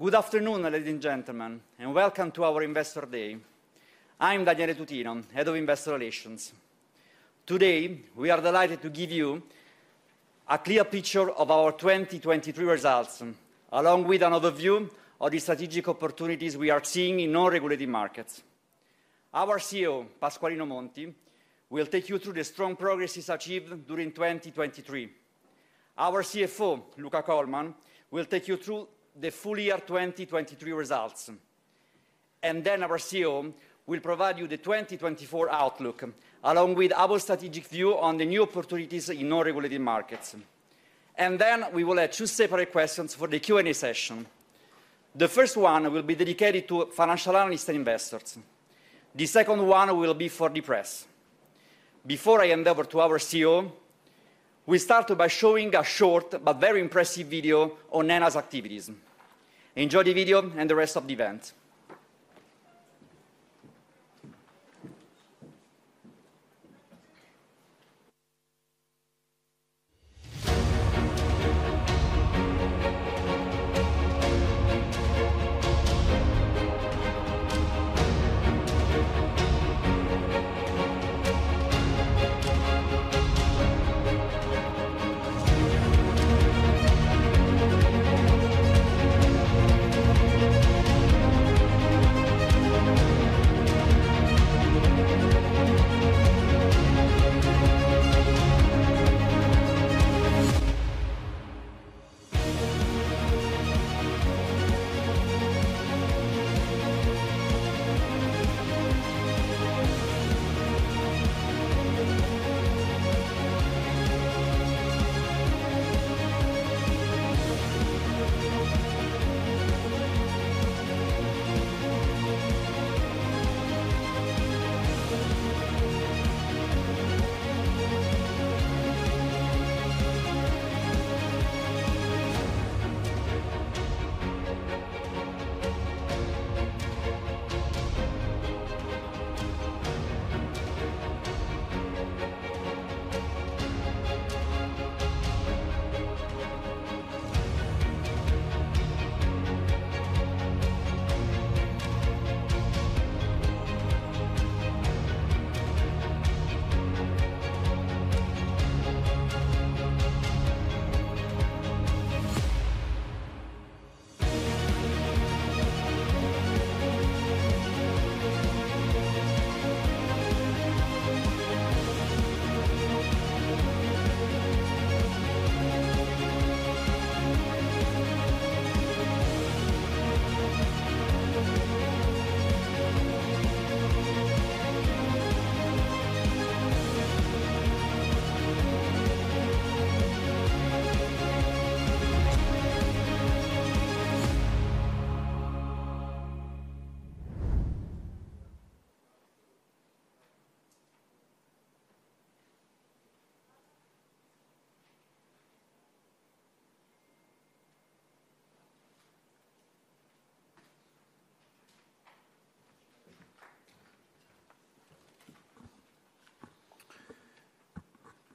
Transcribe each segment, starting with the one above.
Good afternoon, ladies and gentlemen, and welcome to our Investor Day. I'm Daniele Tutino, Head of Investor Relations. Today we are delighted to give you a clear picture of our 2023 results, along with an overview of the strategic opportunities we are seeing in non-regulated markets. Our CEO, Pasqualino Monti, will take you through the strong progress achieved during 2023. Our CFO, Luca Colman, will take you through the full year 2023 results. And then our CEO will provide you the 2024 outlook, along with our strategic view on the new opportunities in non-regulated markets. And then we will add two separate questions for the Q&A session. The first one will be dedicated to financial analysts and investors. The second one will be for the press. Before I hand over to our CEO, we start by showing a short but very impressive video on ENAV's activities. Enjoy the video and the rest of the event.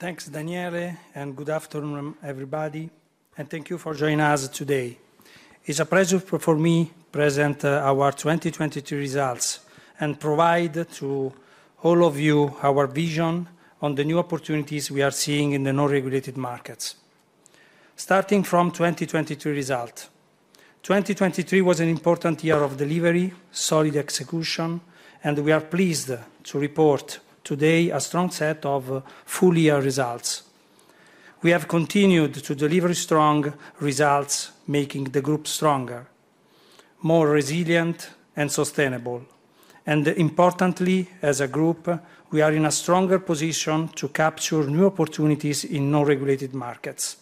Thanks, Daniele, and good afternoon, everybody. Thank you for joining us today. It's a pleasure for me to present our 2023 results and provide to all of you our vision on the new opportunities we are seeing in the non-regulated markets. Starting from the 2023 result, 2023 was an important year of delivery, solid execution, and we are pleased to report today a strong set of full-year results. We have continued to deliver strong results, making the group stronger, more resilient, and sustainable. Importantly, as a group, we are in a stronger position to capture new opportunities in non-regulated markets.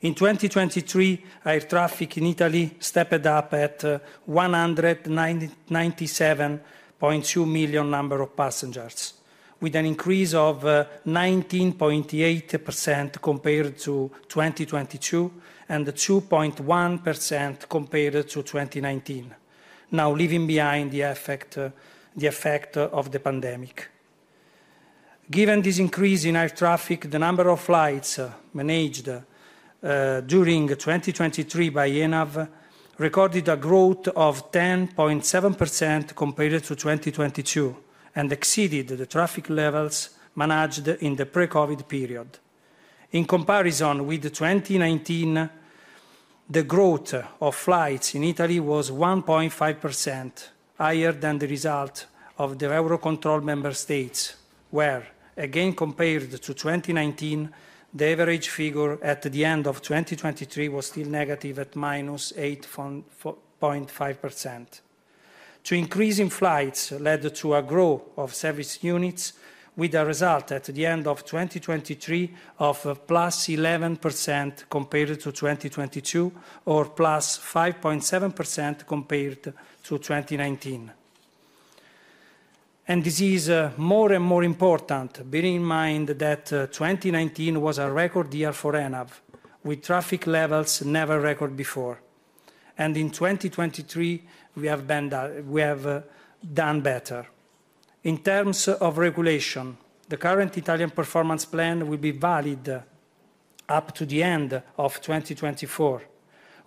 In 2023, air traffic in Italy stepped up at 197.2 million number of passengers, with an increase of 19.8% compared to 2022 and 2.1% compared to 2019, now leaving behind the effect of the pandemic. Given this increase in air traffic, the number of flights managed during 2023 by ENAV recorded a growth of 10.7% compared to 2022 and exceeded the traffic levels managed in the pre-COVID period. In comparison with 2019, the growth of flights in Italy was 1.5% higher than the result of the Eurocontrol Member States, where, again compared to 2019, the average figure at the end of 2023 was still negative at -8.5%. The increase in flights led to a growth of service units, with a result at the end of 2023 of +11% compared to 2022 or +5.7% compared to 2019. This is more and more important, bearing in mind that 2019 was a record year for ENAV, with traffic levels never recorded before. In 2023, we have done better. In terms of regulation, the current Italian Performance Plan will be valid up to the end of 2024.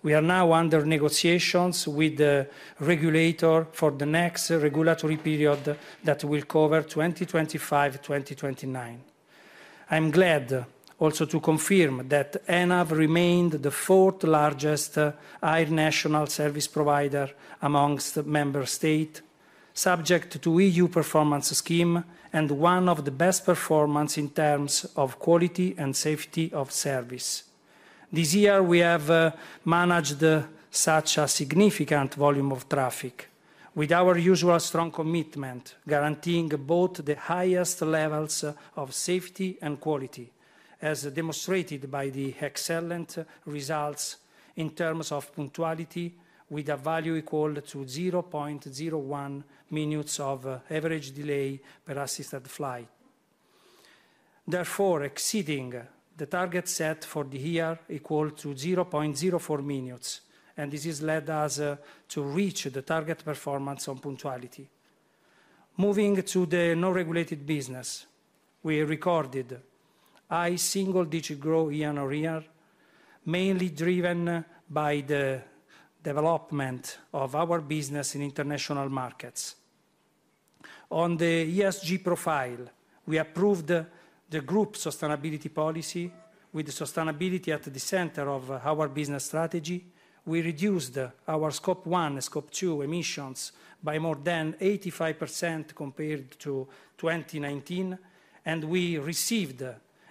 We are now under negotiations with the regulator for the next regulatory period that will cover 2025-2029. I'm glad also to confirm that ENAV remained the fourth largest Air Navigation Service Provider amongst Member States, subject to the EU performance scheme, and one of the best performers in terms of quality and safety of service. This year, we have managed such a significant volume of traffic, with our usual strong commitment guaranteeing both the highest levels of safety and quality, as demonstrated by the excellent results in terms of punctuality, with a value equal to 0.01 minutes of average delay per assisted flight. Therefore, exceeding the target set for the year equals 0.04 minutes, and this has led us to reach the target performance on punctuality. Moving to the non-regulated business, we recorded a single-digit growth year-on-year, mainly driven by the development of our business in international markets. On the ESG profile, we approved the group sustainability policy. With sustainability at the center of our business strategy, we reduced our Scope 1 and Scope 2 emissions by more than 85% compared to 2019, and we received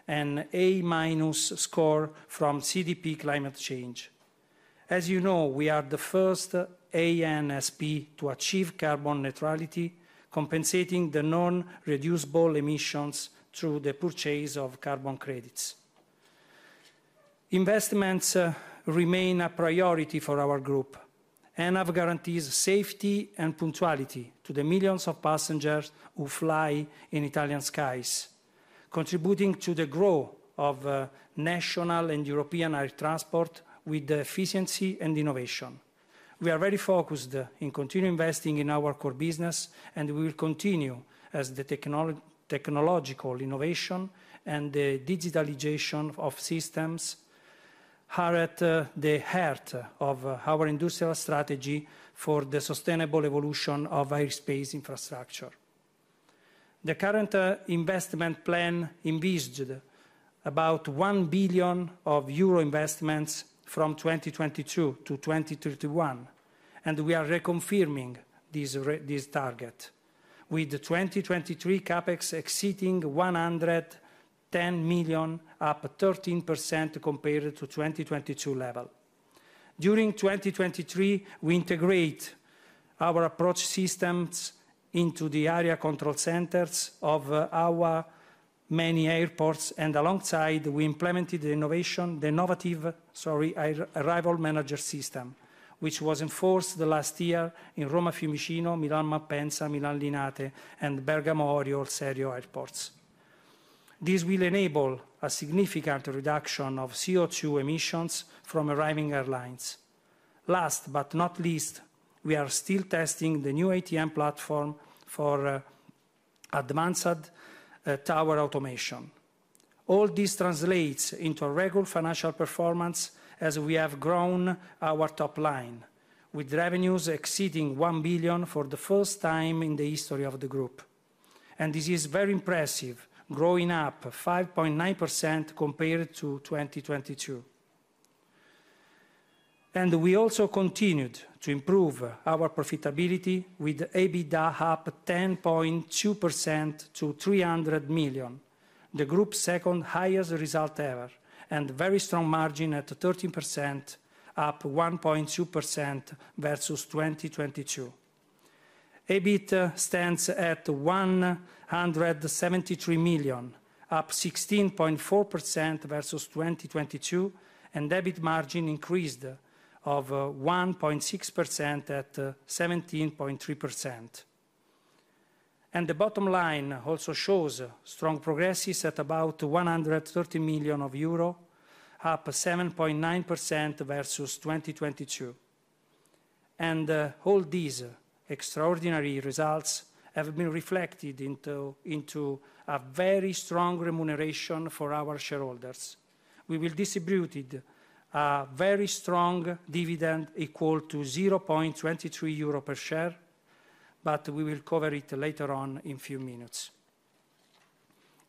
an A- score from CDP Climate Change. As you know, we are the first ANSP to achieve carbon neutrality, compensating the non-reducible emissions through the purchase of carbon credits. Investments remain a priority for our group. ENAV guarantees safety and punctuality to the millions of passengers who fly in Italian skies, contributing to the growth of national and European air transport with efficiency and innovation. We are very focused on continuing to invest in our core business, and we will continue as the technological innovation and the digitalization of systems are at the heart of our industrial strategy for the sustainable evolution of airspace infrastructure. The current investment plan envisions about 1 billion euro of investments from 2022 to 2031, and we are reconfirming this target, with 2023 CAPEX exceeding 110 million, up 13% compared to the 2022 level. During 2023, we integrated our approach systems into the area control centers of our many airports, and alongside, we implemented the innovative Arrival Manager System, which was enforced last year in Rome Fiumicino, Milan Malpensa, Milan Linate, and Bergamo Orio al Serio Airports. This will enable a significant reduction of CO2 emissions from arriving airlines. Last but not least, we are still testing the new ATM platform for advanced tower automation. All this translates into a regular financial performance as we have grown our top line, with revenues exceeding 1 billion for the first time in the history of the group. And this is very impressive, growing up 5.9% compared to 2022. And we also continued to improve our profitability with EBITDA up 10.2% to 300 million, the group's second highest result ever, and a very strong margin at 13%, up 1.2% versus 2022. EBIT stands at 173 million, up 16.4% versus 2022, and the EBIT margin increased of 1.6% at 17.3%. And the bottom line also shows strong progresses at about 130 million euro, up 7.9% versus 2022. And all these extraordinary results have been reflected into a very strong remuneration for our shareholders. We will distribute a very strong dividend equal to 0.23 euro per share, but we will cover it later on in a few minutes.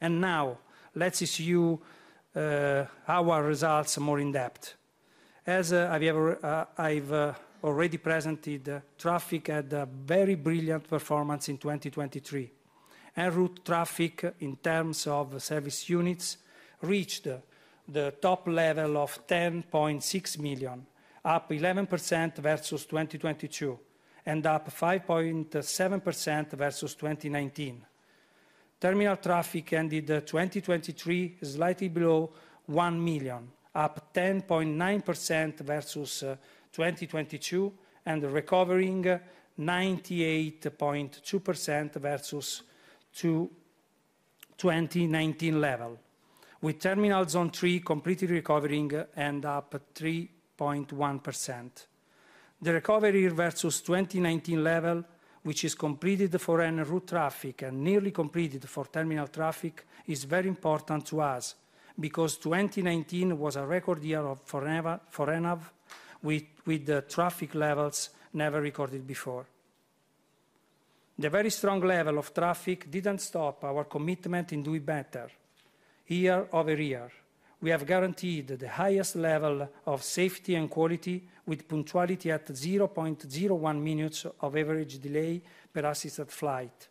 And now let's see our results more in depth. As I've already presented, traffic had a very brilliant performance in 2023, and route traffic in terms of service units reached the top level of 10.6 million, up 11% versus 2022, and up 5.7% versus 2019. Terminal traffic ended 2023 slightly below 1 million, up 10.9% versus 2022, and recovering 98.2% versus the 2019 level, with terminal zone three completely recovering and up 3.1%. The recovery versus the 2019 level, which is completed for route traffic and nearly completed for terminal traffic, is very important to us because 2019 was a record year for ENAV, with traffic levels never recorded before. The very strong level of traffic didn't stop our commitment to do better. Year-over-year, we have guaranteed the highest level of safety and quality, with punctuality at 0.01 minutes of average delay per assisted flight,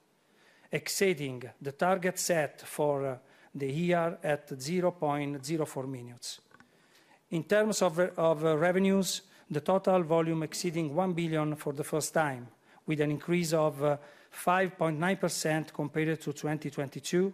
exceeding the target set for the year at 0.04 minutes. In terms of revenues, the total volume exceeded 1 billion for the first time, with an increase of 5.9% compared to 2022,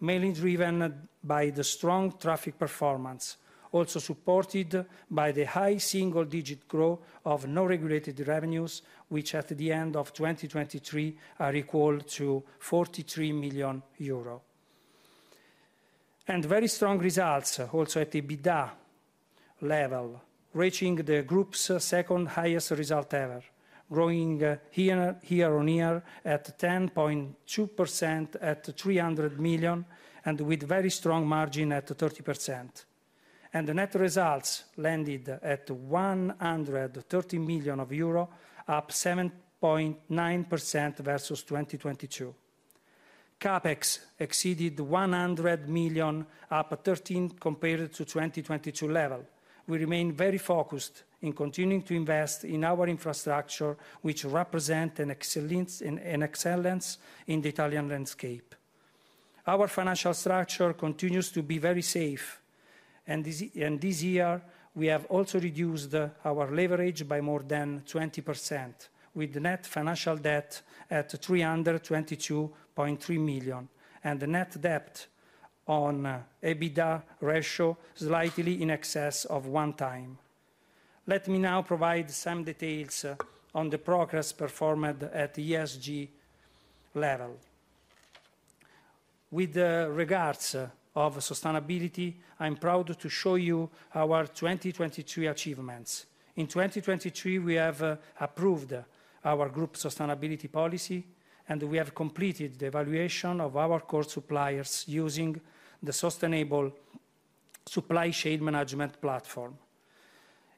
mainly driven by the strong traffic performance, also supported by the high single-digit growth of non-regulated revenues, which at the end of 2023 are equal to 43 million euro. Very strong results also at the EBITDA level, reaching the group's second highest result ever, growing year-on-year at 10.2% at 300 million and with a very strong margin at 30%. The net results landed at 130 million euro, up 7.9% versus 2022. CAPEX exceeded 100 million, up 13% compared to the 2022 level. We remain very focused on continuing to invest in our infrastructure, which represents an excellence in the Italian landscape. Our financial structure continues to be very safe, and this year we have also reduced our leverage by more than 20%, with net financial debt at 322.3 million and the net debt on EBITDA ratio slightly in excess of one time. Let me now provide some details on the progress performed at the ESG level. With regards to sustainability, I'm proud to show you our 2023 achievements. In 2023, we have approved our group sustainability policy, and we have completed the evaluation of our core suppliers using the Sustainable Supply Chain Management platform.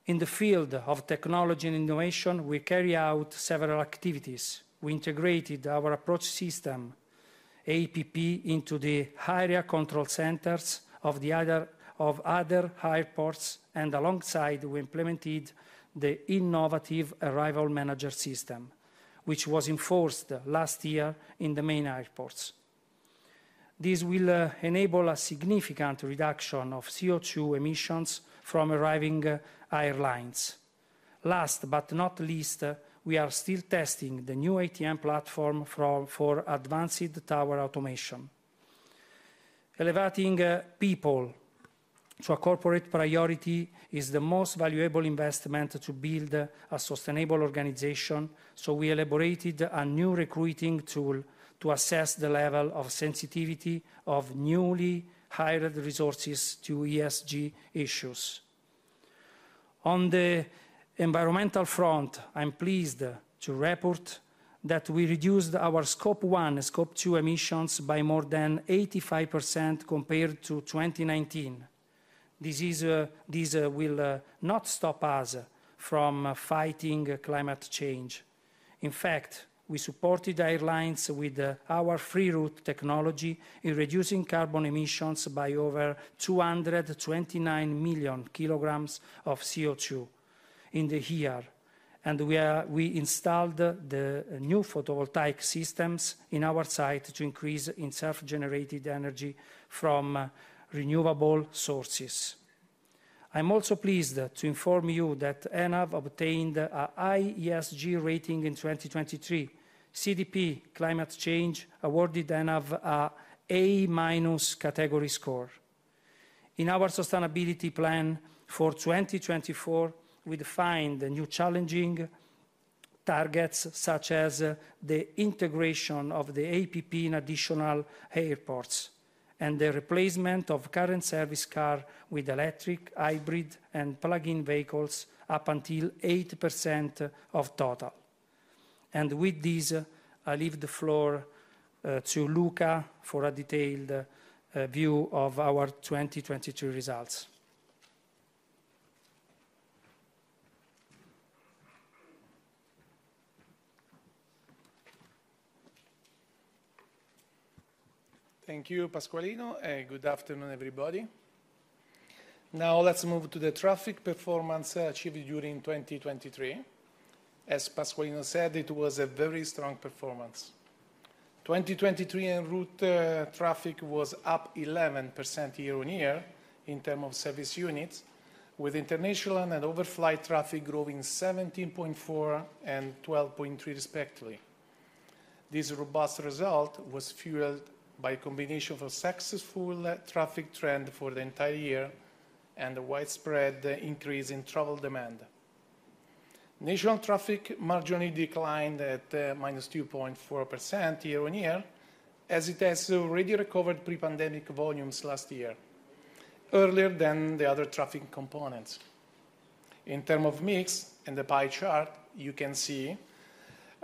In the field of technology and innovation, we carry out several activities. We integrated our approach system, APP, into the area control centers of other airports, and alongside, we implemented the innovative Arrival Manager System, which was enforced last year in the main airports. This will enable a significant reduction of CO2 emissions from arriving airlines. Last but not least, we are still testing the new ATM platform for advanced tower automation. Elevating people to a corporate priority is the most valuable investment to build a sustainable organization. So we elaborated a new recruiting tool to assess the level of sensitivity of newly hired resources to ESG issues. On the environmental front, I'm pleased to report that we reduced our Scope 1 and Scope 2 emissions by more than 85% compared to 2019. This will not stop us from fighting climate change. In fact, we supported airlines with our Free Route technology in reducing carbon emissions by over 229 million kilograms of CO2 in the year, and we installed the new photovoltaic systems in our site to increase self-generated energy from renewable sources. I'm also pleased to inform you that ENAV obtained a high ESG rating in 2023. CDP Climate Change awarded ENAV an A- category score. In our sustainability plan for 2024, we defined new challenging targets such as the integration of the APP in additional airports and the replacement of current service cars with electric, hybrid, and plug-in vehicles up until 8% of total. With this, I leave the floor to Luca for a detailed view of our 2023 results. Thank you, Pasqualino. Good afternoon, everybody. Now let's move to the traffic performance achieved during 2023. As Pasqualino said, it was a very strong performance. 2023 en route traffic was up 11% year-over-year in terms of service units, with international and overflight traffic growing 17.4% and 12.3% respectively. This robust result was fueled by a combination of a successful traffic trend for the entire year and a widespread increase in travel demand. National traffic marginally declined at -2.4% year-over-year, as it has already recovered pre-pandemic volumes last year, earlier than the other traffic components. In terms of mix and the pie chart, you can see,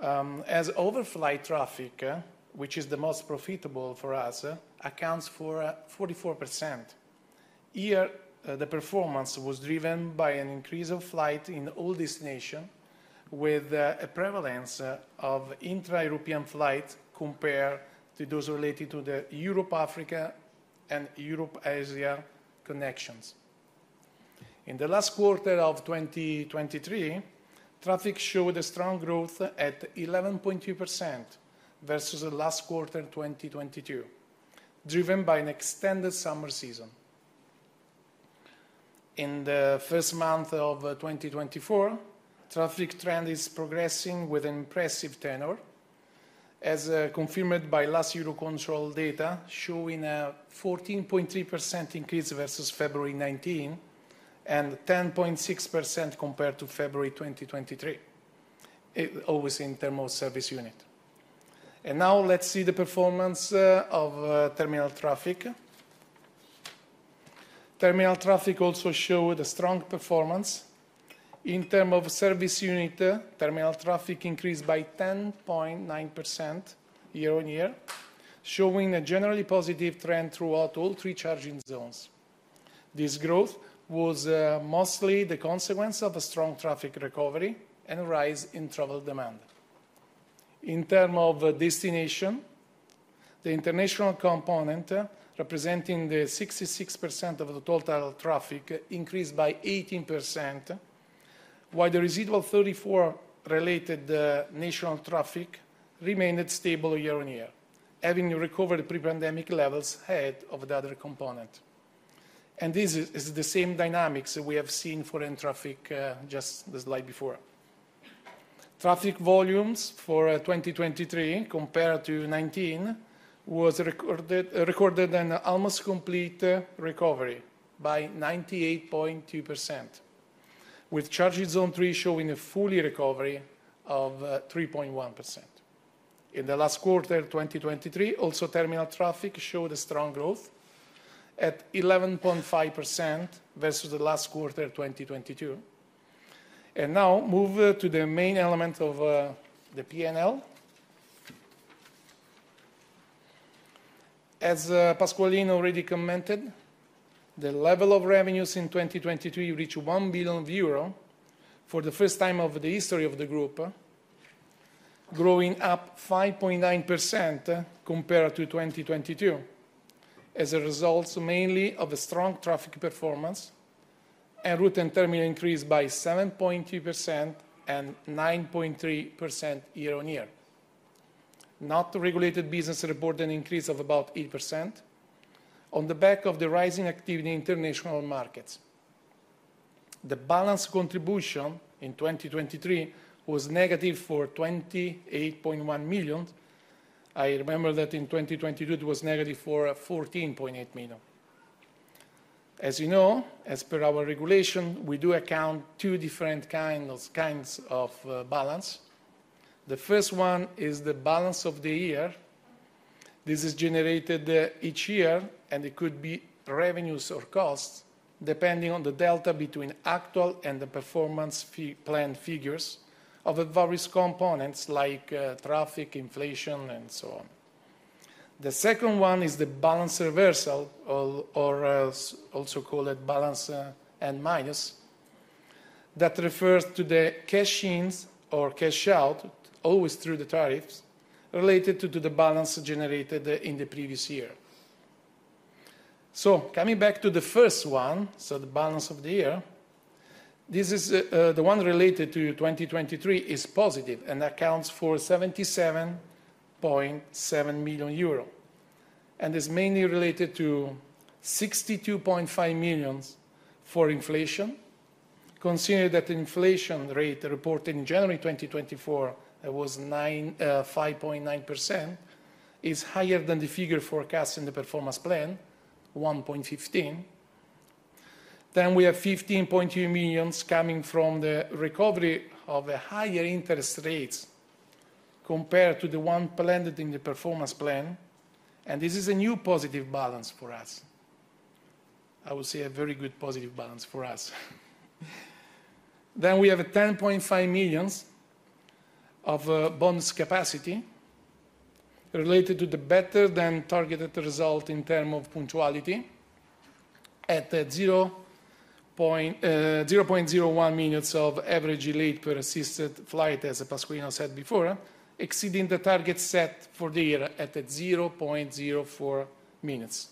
as overflight traffic, which is the most profitable for us, accounts for 44%. Here, the performance was driven by an increase of flights in all destinations, with a prevalence of intra-European flights compared to those related to the Europe, Africa, and Europe-Asia connections. In the last quarter of 2023, traffic showed a strong growth at 11.2% versus the last quarter, 2022, driven by an extended summer season. In the first month of 2024, traffic trend is progressing with an impressive tenor, as confirmed by last year's control data showing a 14.3% increase versus February 2019 and 10.6% compared to February 2023, always in terms of service unit. Now let's see the performance of terminal traffic. Terminal traffic also showed a strong performance. In terms of service units, terminal traffic increased by 10.9% year-on-year, showing a generally positive trend throughout all three charging zones. This growth was mostly the consequence of a strong traffic recovery and a rise in travel demand. In terms of destination, the international component representing 66% of the total traffic increased by 18%, while the residual 34% related national traffic remained stable year-over-year, having recovered pre-pandemic levels ahead of the other component. This is the same dynamics that we have seen for air traffic just the slide before. Traffic volumes for 2023 compared to 2019 were recorded an almost complete recovery by 98.2%, with charging zone three showing a full recovery of 3.1%. In the last quarter, 2023, also terminal traffic showed a strong growth at 11.5% versus the last quarter, 2022. Now move to the main element of the P&L. As Pasqualino already commented, the level of revenues in 2023 reached 1 billion euro for the first time in the history of the group, growing up 5.9% compared to 2022, as a result mainly of a strong traffic performance en-route and terminal increase by 7.2% and 9.3% year-on-year. Not regulated business reported an increase of about 8% on the back of the rising activity in international markets. The balance contribution in 2023 was negative 28.1 million. I remember that in 2022 it was negative 14.8 million. As you know, as per our regulation, we do account for two different kinds of balance. The first one is the balance of the year. This is generated each year, and it could be revenues or costs depending on the delta between actual and the performance plan figures of various components like traffic, inflation, and so on. The second one is the balance reversal, or also called balance n-2, that refers to the cash ins or cash out, always through the tariffs, related to the balance generated in the previous year. So coming back to the first one, so the balance of the year, this is the one related to 2023 is positive and accounts for 77.7 million euro. It's mainly related to 62.5 million for inflation, considering that the inflation rate reported in January 2024 was 5.9%, is higher than the figure forecast in the performance plan, 1.15%. Then we have 15.2 million coming from the recovery of higher interest rates compared to the one planned in the performance plan. And this is a new positive balance for us. I would say a very good positive balance for us. Then we have 10.5 million of bonds capacity related to the better than targeted result in terms of punctuality at 0.01 minutes of average delayed per assisted flight, as Pasqualino said before, exceeding the target set for the year at 0.04 minutes.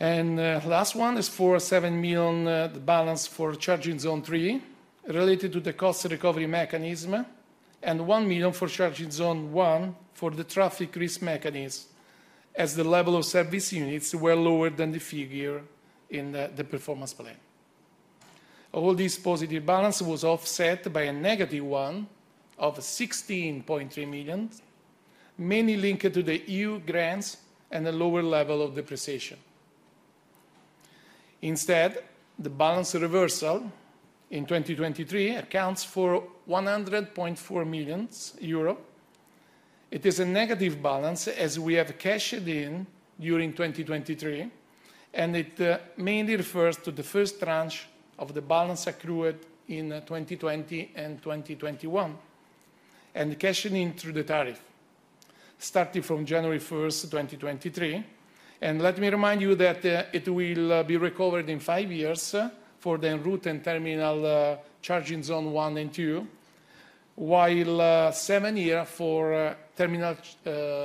And last one is for 7 million balance for charging zone three related to the cost recovery mechanism and 1 million for charging zone one for the traffic risk mechanism, as the level of service units were lower than the figure in the performance plan. All this positive balance was offset by a negative one of 16.3 million, mainly linked to the EU grants and a lower level of depreciation. Instead, the balance reversal in 2023 accounts for 100.4 million euro. It is a negative balance as we have cashed in during 2023, and it mainly refers to the first tranche of the balance accrued in 2020 and 2021 and cashed in through the tariff, starting from January 1st, 2023. Let me remind you that it will be recovered in five years for the en-route and terminal charging zone one and two, while seven years for terminal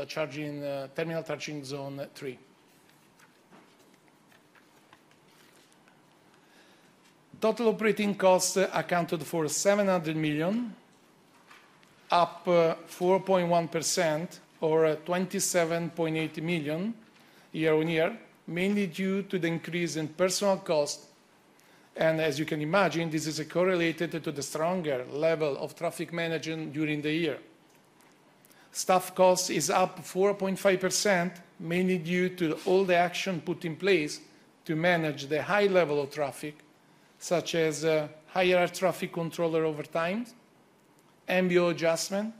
charging zone three. Total operating costs accounted for 700 million, up 4.1% or 27.8 million year-on-year, mainly due to the increase in personal costs. As you can imagine, this is correlated to the stronger level of traffic management during the year. Staff costs are up 4.5%, mainly due to all the action put in place to manage the high level of traffic, such as higher air traffic controller overtimes, MBO adjustments,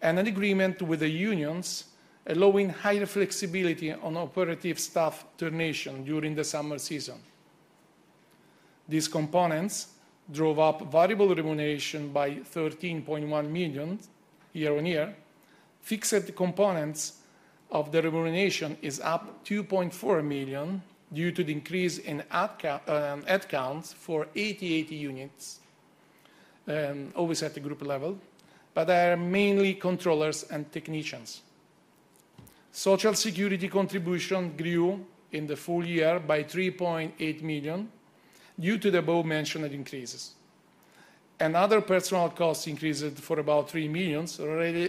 and an agreement with the unions allowing higher flexibility on operative staff rotation during the summer season. These components drove up variable remuneration by 13.1 million year-over-year. Fixed components of the remuneration are up 2.4 million due to the increase in headcount for 880 units, always at the group level, but they are mainly controllers and technicians. Social Security contribution grew in the full year by 3.8 million due to the above-mentioned increases. Other personnel costs increased for about 3 million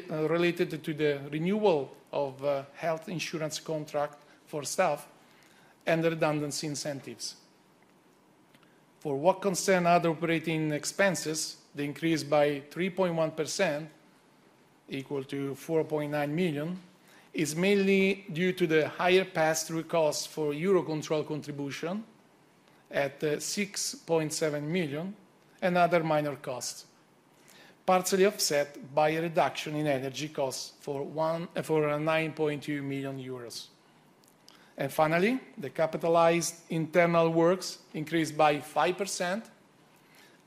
related to the renewal of health insurance contracts for staff and the redundancy incentives. For what concerns other operating expenses, the increase by 3.1% equal to 4.9 million is mainly due to the higher pass-through costs for Eurocontrol contribution at 6.7 million and other minor costs, partially offset by a reduction in energy costs for 9.2 million euros. Finally, the capitalized internal works increased by 5%,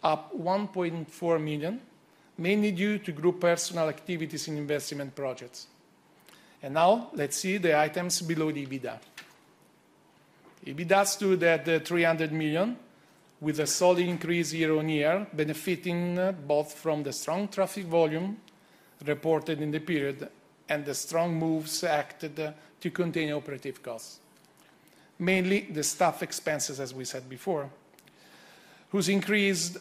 up 1.4 million, mainly due to group personnel activities in investment projects. Now let's see the items below EBITDA. EBITDA stood at 300 million with a solid increase year-on-year, benefiting both from the strong traffic volume reported in the period and the strong moves acted to contain operating costs, mainly the staff expenses, as we said before, whose increase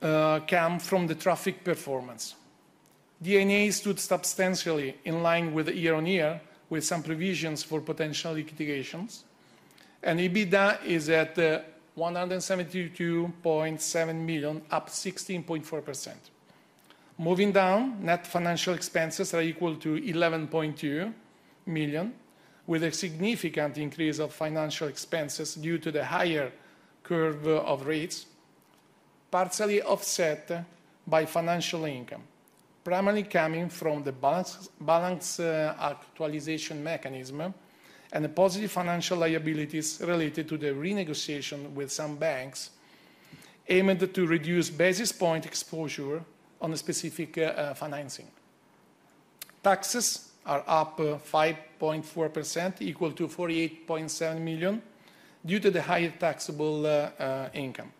came from the traffic performance. D&A stood substantially in line with the year-on-year, with some provisions for potential liquidations. EBITDA is at 172.7 million, up 16.4%. Moving down, net financial expenses are equal to 11.2 million, with a significant increase of financial expenses due to the higher curve of rates, partially offset by financial income, primarily coming from the balance actualization mechanism and the positive financial liabilities related to the renegotiation with some banks aimed to reduce basis point exposure on specific financing. Taxes are up 5.4%, equal to 48.7 million due to the higher taxable income.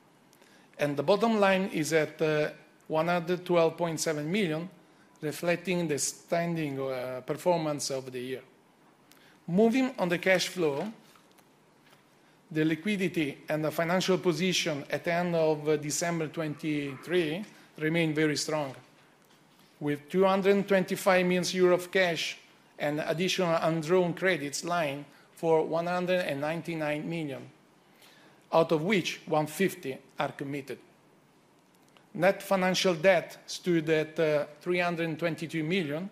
The bottom line is at 112.7 million, reflecting the standing performance of the year. Moving on the cash flow, the liquidity and the financial position at the end of December 2023 remain very strong, with 225 million euros of cash and additional undrawn credits line for 199 million, out of which 150 are committed. Net financial debt stood at 322 million,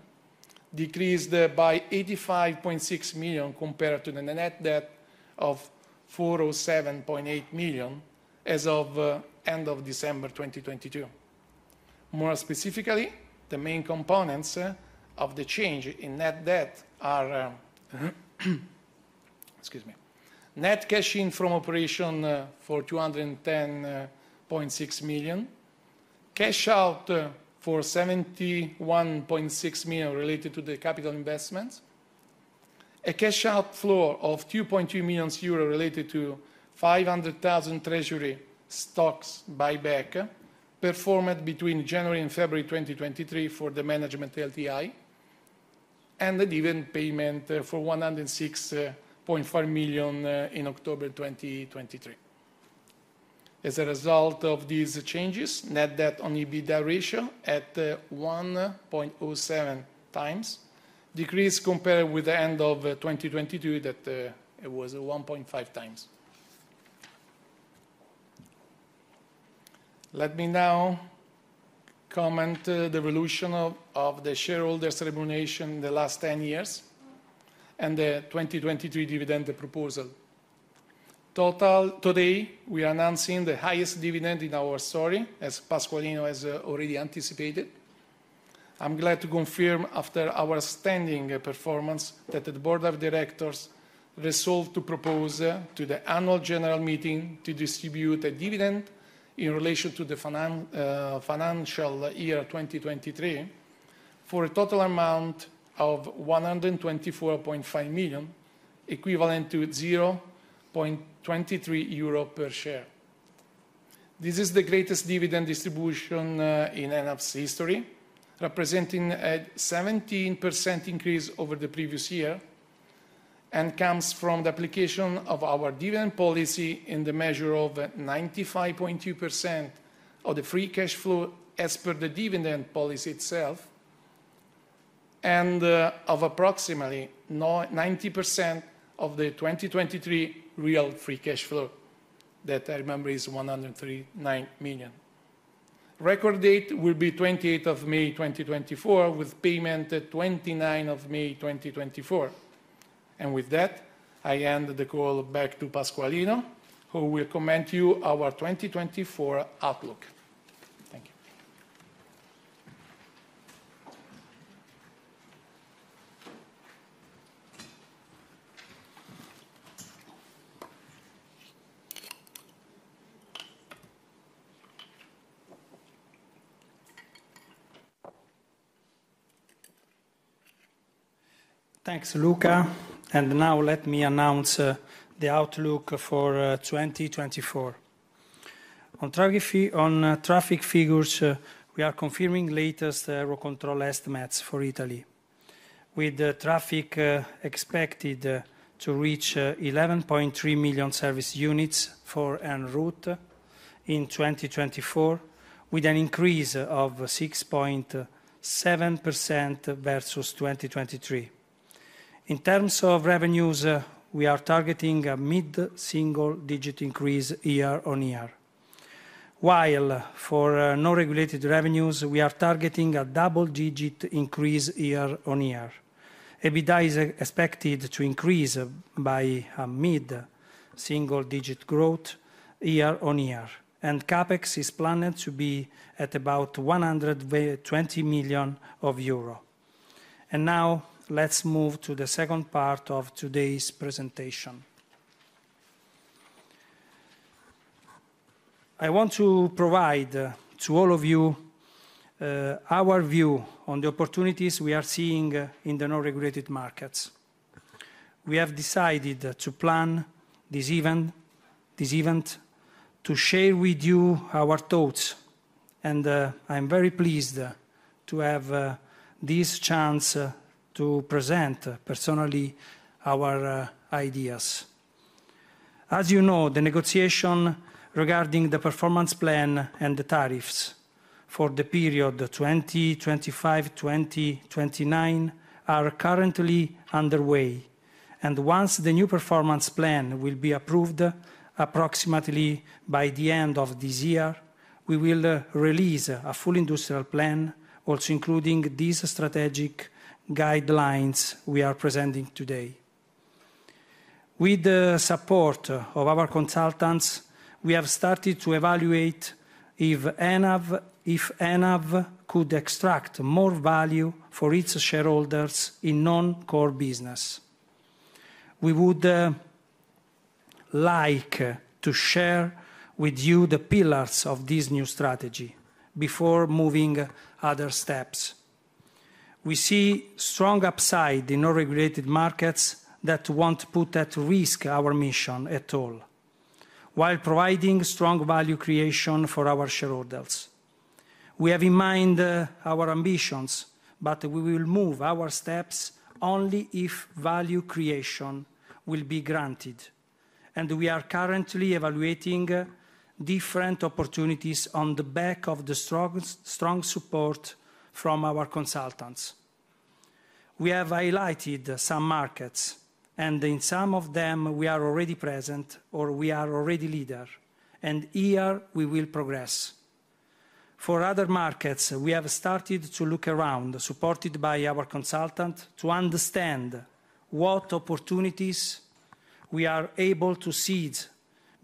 decreased by 85.6 million compared to the net debt of 407.8 million as of the end of December 2022. More specifically, the main components of the change in net debt are net cash in from operation for 210.6 million, cash out for 71.6 million related to the capital investments, a cash out flow of 2.2 million euro related to 500,000 Treasury stocks buyback performed between January and February 2023 for the management LTI, and a dividend payment for 106.5 million in October 2023. As a result of these changes, net debt on EBITDA ratio at 1.07x decreased compared with the end of 2022 that it was 1.5x. Let me now comment on the evolution of the shareholders' remuneration in the last 10 years and the 2023 dividend proposal. Today, we are announcing the highest dividend in our history, as Pasqualino has already anticipated. I'm glad to confirm, after our outstanding performance, that the Board of Directors resolved to propose to the annual general meeting to distribute a dividend in relation to the financial year 2023 for a total amount of 124.5 million, equivalent to 0.23 euro per share. This is the greatest dividend distribution in ENAV history, representing a 17% increase over the previous year, and comes from the application of our dividend policy in the measure of 95.2% of the free cash flow as per the dividend policy itself and of approximately 90% of the 2023 real free cash flow that I remember is 103.9 million. Record date will be 28th of May 2024, with payment at 29th of May 2024. With that, I hand the call back to Pasqualino, who will comment on our 2024 outlook. Thank you. Thanks, Luca. Now let me announce the outlook for 2024. On traffic figures, we are confirming the latest Eurocontrol estimates for Italy, with traffic expected to reach 11.3 million service units for en-route in 2024, with an increase of 6.7% versus 2023. In terms of revenues, we are targeting a mid-single digit increase year-on-year, while for non-regulated revenues, we are targeting a double digit increase year-on-year. EBITDA is expected to increase by a mid-single digit growth year-on-year, and CapEx is planned to be at about 120 million euro. Now let's move to the second part of today's presentation. I want to provide to all of you our view on the opportunities we are seeing in the non-regulated markets. We have decided to plan this event to share with you our thoughts, and I'm very pleased to have this chance to present personally our ideas. As you know, the negotiations regarding the performance plan and the tariffs for the period 2025-2029 are currently underway. Once the new performance plan will be approved approximately by the end of this year, we will release a full industrial plan, also including these strategic guidelines we are presenting today. With the support of our consultants, we have started to evaluate if ENAV could extract more value for its shareholders in non-core business. We would like to share with you the pillars of this new strategy before moving other steps. We see strong upside in non-regulated markets that won't put at risk our mission at all while providing strong value creation for our shareholders. We have in mind our ambitions, but we will move our steps only if value creation will be granted. We are currently evaluating different opportunities on the back of the strong support from our consultants. We have highlighted some markets, and in some of them, we are already present or we are already leaders, and here we will progress. For other markets, we have started to look around, supported by our consultant, to understand what opportunities we are able to seed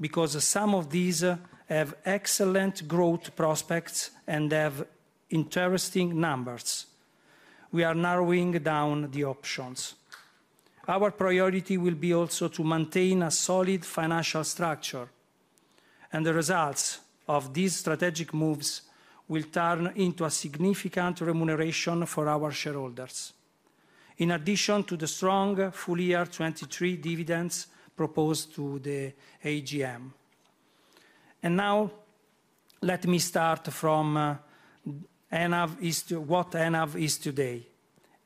because some of these have excellent growth prospects and have interesting numbers. We are narrowing down the options. Our priority will be also to maintain a solid financial structure. The results of these strategic moves will turn into a significant remuneration for our shareholders, in addition to the strong full year 2023 dividends proposed to the AGM. Now let me start from what ENAV is today.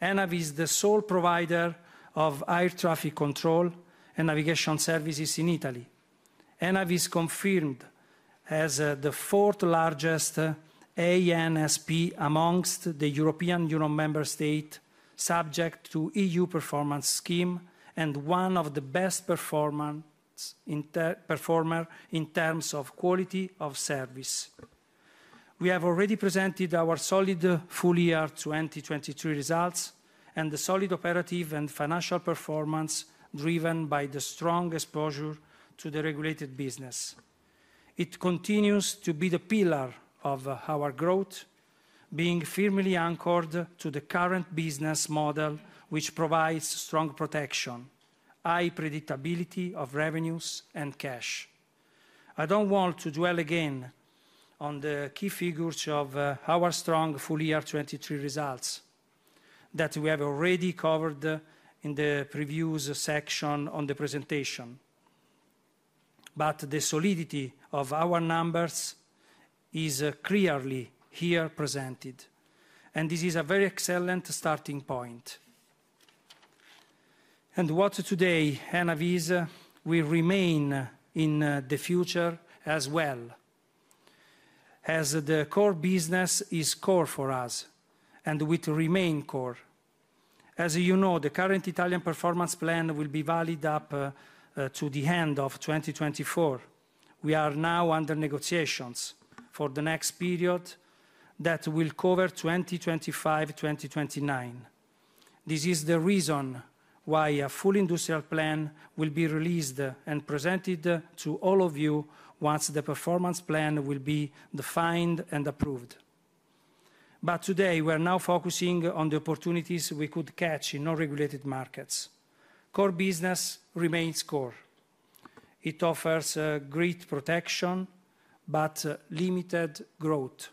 ENAV is the sole provider of air traffic control and navigation services in Italy. ENAV is confirmed as the fourth largest ANSP amongst the European Union Member States subject to the EU performance scheme and one of the best performers in terms of quality of service. We have already presented our solid full year 2023 results and the solid operative and financial performance driven by the strong exposure to the regulated business. It continues to be the pillar of our growth, being firmly anchored to the current business model, which provides strong protection, high predictability of revenues, and cash. I don't want to dwell again on the key figures of our strong full year 2023 results that we have already covered in the previews section on the presentation. But the solidity of our numbers is clearly here presented. This is a very excellent starting point. What today ENAV is, we remain in the future as well. As the core business is core for us, and we will remain core. As you know, the current Italian performance plan will be valid up to the end of 2024. We are now under negotiations for the next period that will cover 2025-2029. This is the reason why a full industrial plan will be released and presented to all of you once the performance plan will be defined and approved. But today, we are now focusing on the opportunities we could catch in non-regulated markets. Core business remains core. It offers great protection but limited growth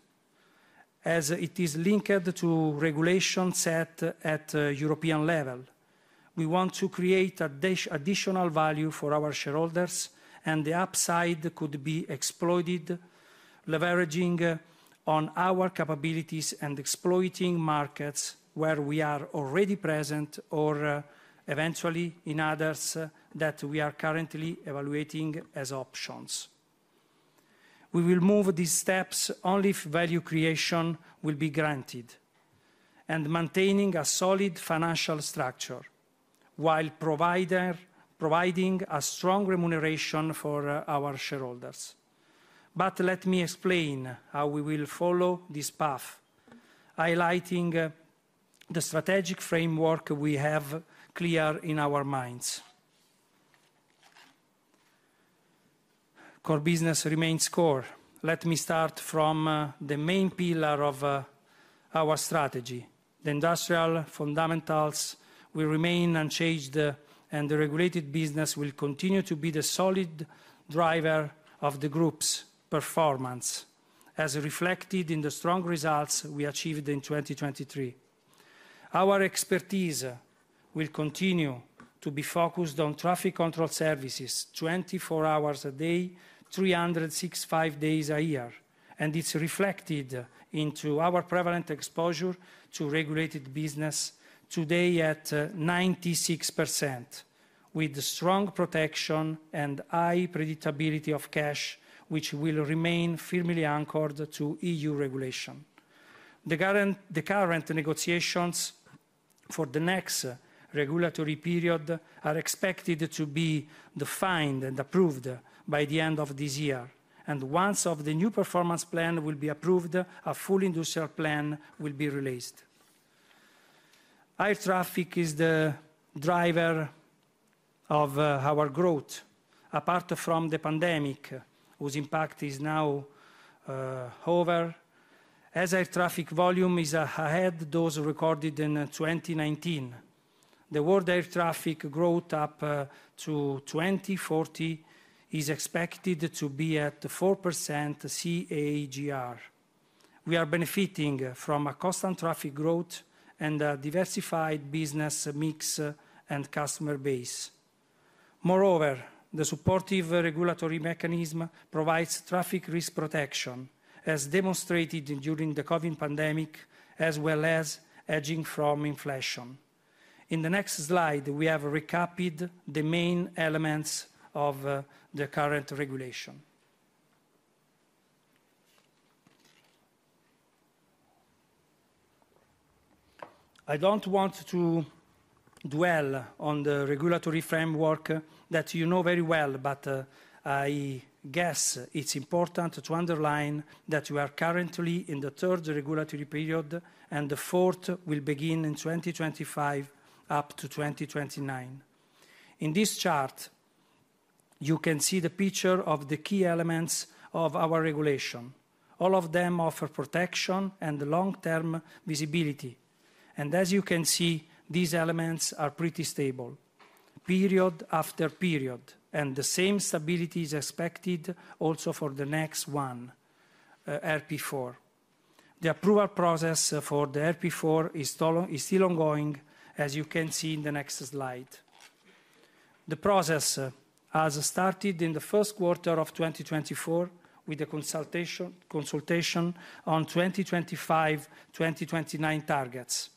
as it is linked to regulation set at European level. We want to create additional value for our shareholders, and the upside could be exploited, leveraging on our capabilities and exploiting markets where we are already present or eventually in others that we are currently evaluating as options. We will move these steps only if value creation will be granted and maintaining a solid financial structure while providing a strong remuneration for our shareholders. But let me explain how we will follow this path, highlighting the strategic framework we have clear in our minds. Core business remains core. Let me start from the main pillar of our strategy. The industrial fundamentals will remain unchanged, and the regulated business will continue to be the solid driver of the group's performance as reflected in the strong results we achieved in 2023. Our expertise will continue to be focused on traffic control services 24 hours a day, 365 days a year. It's reflected into our prevalent exposure to regulated business today at 96%, with strong protection and high predictability of cash, which will remain firmly anchored to EU regulation. The current negotiations for the next regulatory period are expected to be defined and approved by the end of this year. Once the new performance plan will be approved, a full industrial plan will be released. Air traffic is the driver of our growth apart from the pandemic, whose impact is now over. As air traffic volume is ahead of those recorded in 2019, the world air traffic growth up to 2040 is expected to be at 4% CAGR. We are benefiting from a constant traffic growth and a diversified business mix and customer base. Moreover, the supportive regulatory mechanism provides traffic risk protection, as demonstrated during the COVID pandemic, as well as hedging from inflation. In the next slide, we have recapped the main elements of the current regulation. I don't want to dwell on the regulatory framework that you know very well, but I guess it's important to underline that we are currently in the third regulatory period, and the fourth will begin in 2025 up to 2029. In this chart, you can see the picture of the key elements of our regulation. All of them offer protection and long-term visibility. As you can see, these elements are pretty stable period after period, and the same stability is expected also for the next one, RP4. The approval process for the RP4 is still ongoing, as you can see in the next slide. The process has started in the first quarter of 2024 with a consultation on 2025-2029 targets.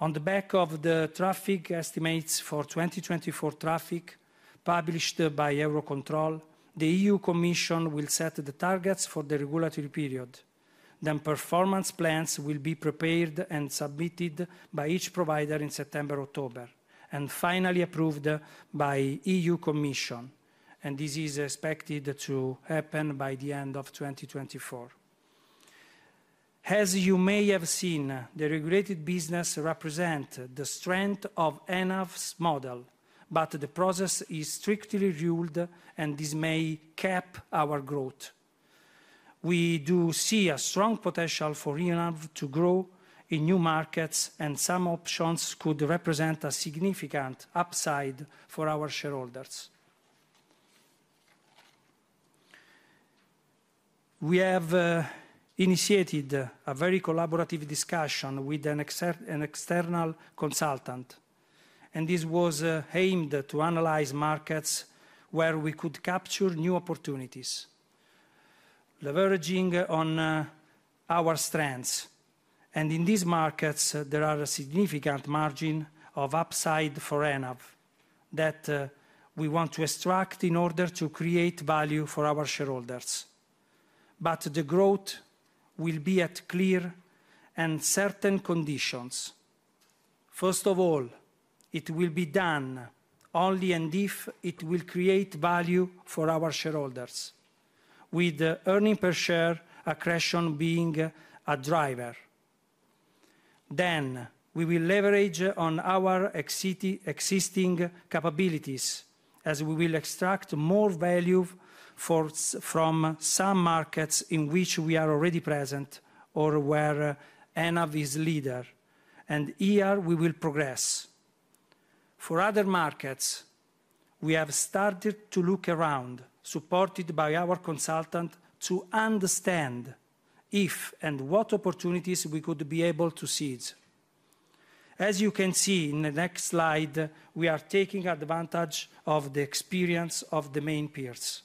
On the back of the traffic estimates for 2024 traffic published by Eurocontrol, the EU Commission will set the targets for the regulatory period. Performance plans will be prepared and submitted by each provider in September, October, and finally approved by the EU Commission. This is expected to happen by the end of 2024. As you may have seen, the regulated business represents the strength of ENAV's model, but the process is strictly ruled, and this may cap our growth. We do see a strong potential for ENAV to grow in new markets, and some options could represent a significant upside for our shareholders. We have initiated a very collaborative discussion with an external consultant, and this was aimed to analyze markets where we could capture new opportunities, leveraging on our strengths. In these markets, there is a significant margin of upside for ENAV that we want to extract in order to create value for our shareholders. The growth will be at clear and certain conditions. First of all, it will be done only and if it will create value for our shareholders, with earnings per share accretion being a driver. Then we will leverage on our existing capabilities as we will extract more value from some markets in which we are already present or where ENAV is leader, and here we will progress. For other markets, we have started to look around, supported by our consultant, to understand if and what opportunities we could be able to seed. As you can see in the next slide, we are taking advantage of the experience of the main peers.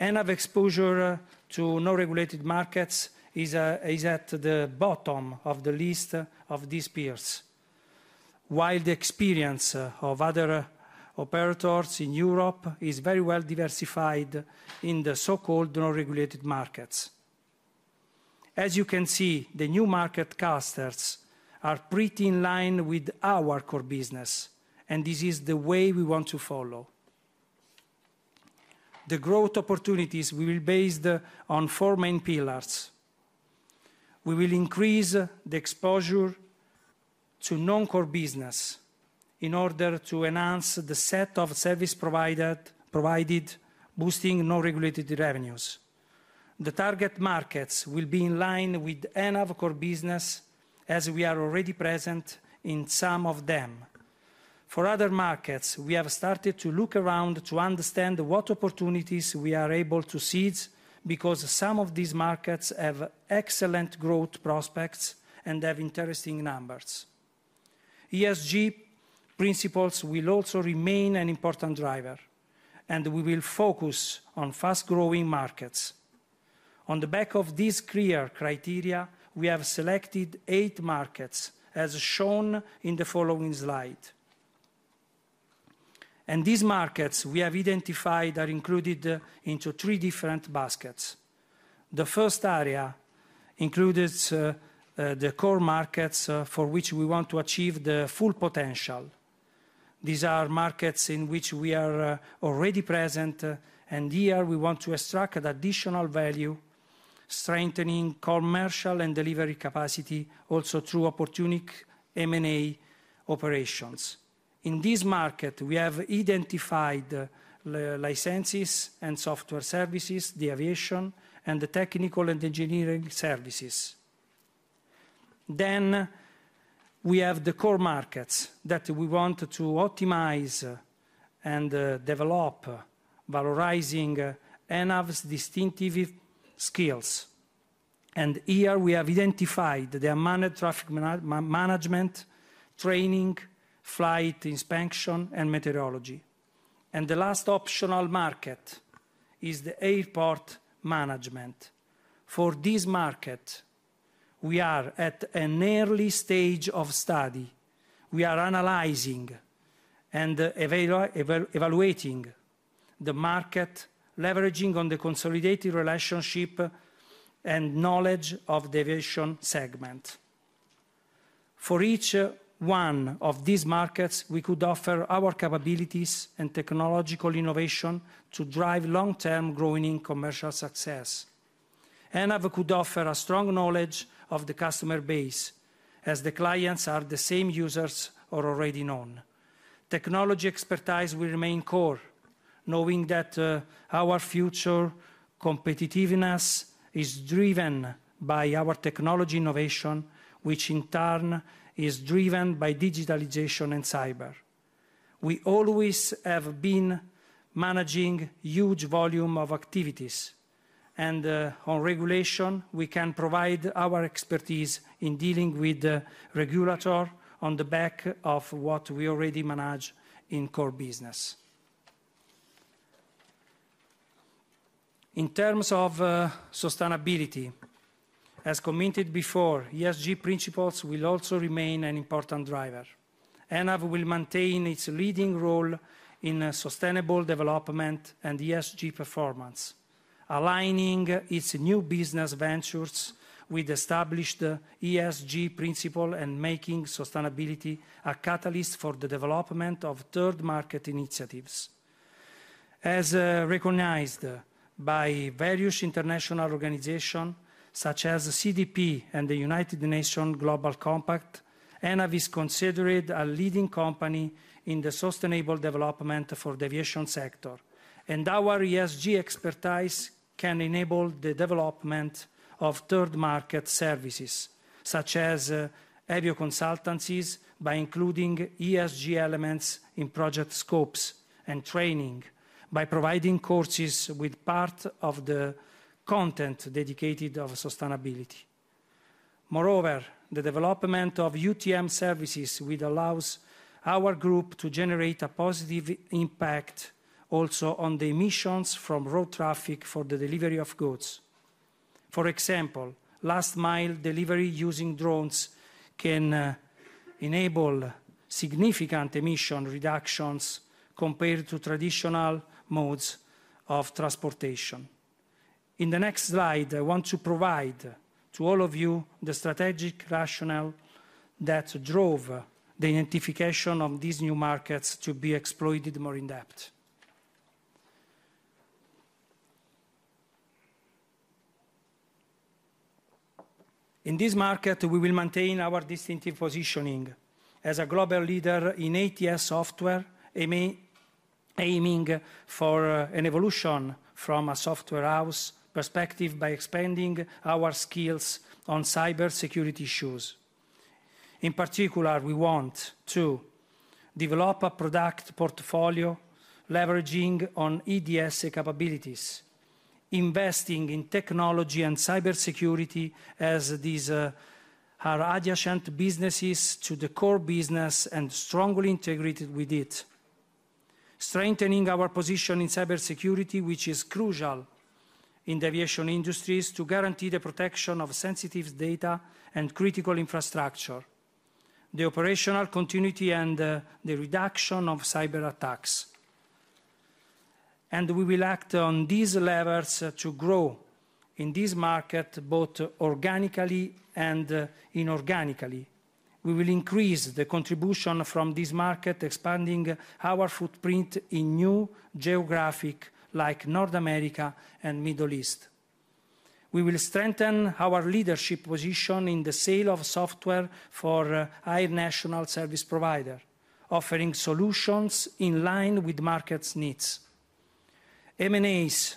ENAV exposure to non-regulated markets is at the bottom of the list of these peers, while the experience of other operators in Europe is very well diversified in the so-called non-regulated markets. As you can see, the new market clusters are pretty in line with our core business, and this is the way we want to follow. The growth opportunities we will base on four main pillars. We will increase the exposure to non-core business in order to enhance the set of service providers, boosting non-regulated revenues. The target markets will be in line with ENAV core business as we are already present in some of them. For other markets, we have started to look around to understand what opportunities we are able to seed because some of these markets have excellent growth prospects and have interesting numbers. ESG principles will also remain an important driver, and we will focus on fast-growing markets. On the back of these clear criteria, we have selected eight markets as shown in the following slide. These markets we have identified are included into three different baskets. The first area includes the core markets for which we want to achieve the full potential. These are markets in which we are already present, and here we want to extract additional value, strengthening commercial and delivery capacity also through opportunistic M&A operations. In this market, we have identified licenses and software services, the aviation and the technical and engineering services. We have the core markets that we want to optimize and develop, valorizing ENAV's distinctive skills. Here we have identified the air traffic management, training, flight inspection, and meteorology. The last optional market is the airport management. For this market, we are at an early stage of study. We are analyzing and evaluating the market, leveraging on the consolidated relationship and knowledge of the aviation segment. For each one of these markets, we could offer our capabilities and technological innovation to drive long-term growing commercial success. ENAV could offer a strong knowledge of the customer base as the clients are the same users already known. Technology expertise will remain core, knowing that our future competitiveness is driven by our technology innovation, which in turn is driven by digitalization and cyber. We always have been managing a huge volume of activities. On regulation, we can provide our expertise in dealing with the regulator on the back of what we already manage in core business. In terms of sustainability, as committed before, ESG principles will also remain an important driver. ENAV will maintain its leading role in sustainable development and ESG performance, aligning its new business ventures with established ESG principles and making sustainability a catalyst for the development of third market initiatives. As recognized by various international organizations such as the CDP and the United Nations Global Compact, ENAV is considered a leading company in the sustainable development for the aviation sector. Our ESG expertise can enable the development of third market services such as Avio consultancies by including ESG elements in project scopes and training by providing courses with part of the content dedicated to sustainability. Moreover, the development of UTM services will allow our group to generate a positive impact also on the emissions from road traffic for the delivery of goods. For example, last-mile delivery using drones can enable significant emission reductions compared to traditional modes of transportation. In the next slide, I want to provide to all of you the strategic rationale that drove the identification of these new markets to be exploited more in depth. In this market, we will maintain our distinctive positioning as a global leader in ATS software, aiming for an evolution from a software house perspective by expanding our skills on cybersecurity issues. In particular, we want to develop a product portfolio leveraging on IDS capabilities, investing in technology and cybersecurity as these are adjacent businesses to the core business and strongly integrated with it, strengthening our position in cybersecurity, which is crucial in the aviation industries to guarantee the protection of sensitive data and critical infrastructure, the operational continuity, and the reduction of cyberattacks. And we will act on these levers to grow in this market both organically and inorganically. We will increase the contribution from this market, expanding our footprint in new geographies like North America and the Middle East. We will strengthen our leadership position in the sale of software for Air Navigation Service Provider, offering solutions in line with markets' needs. M&As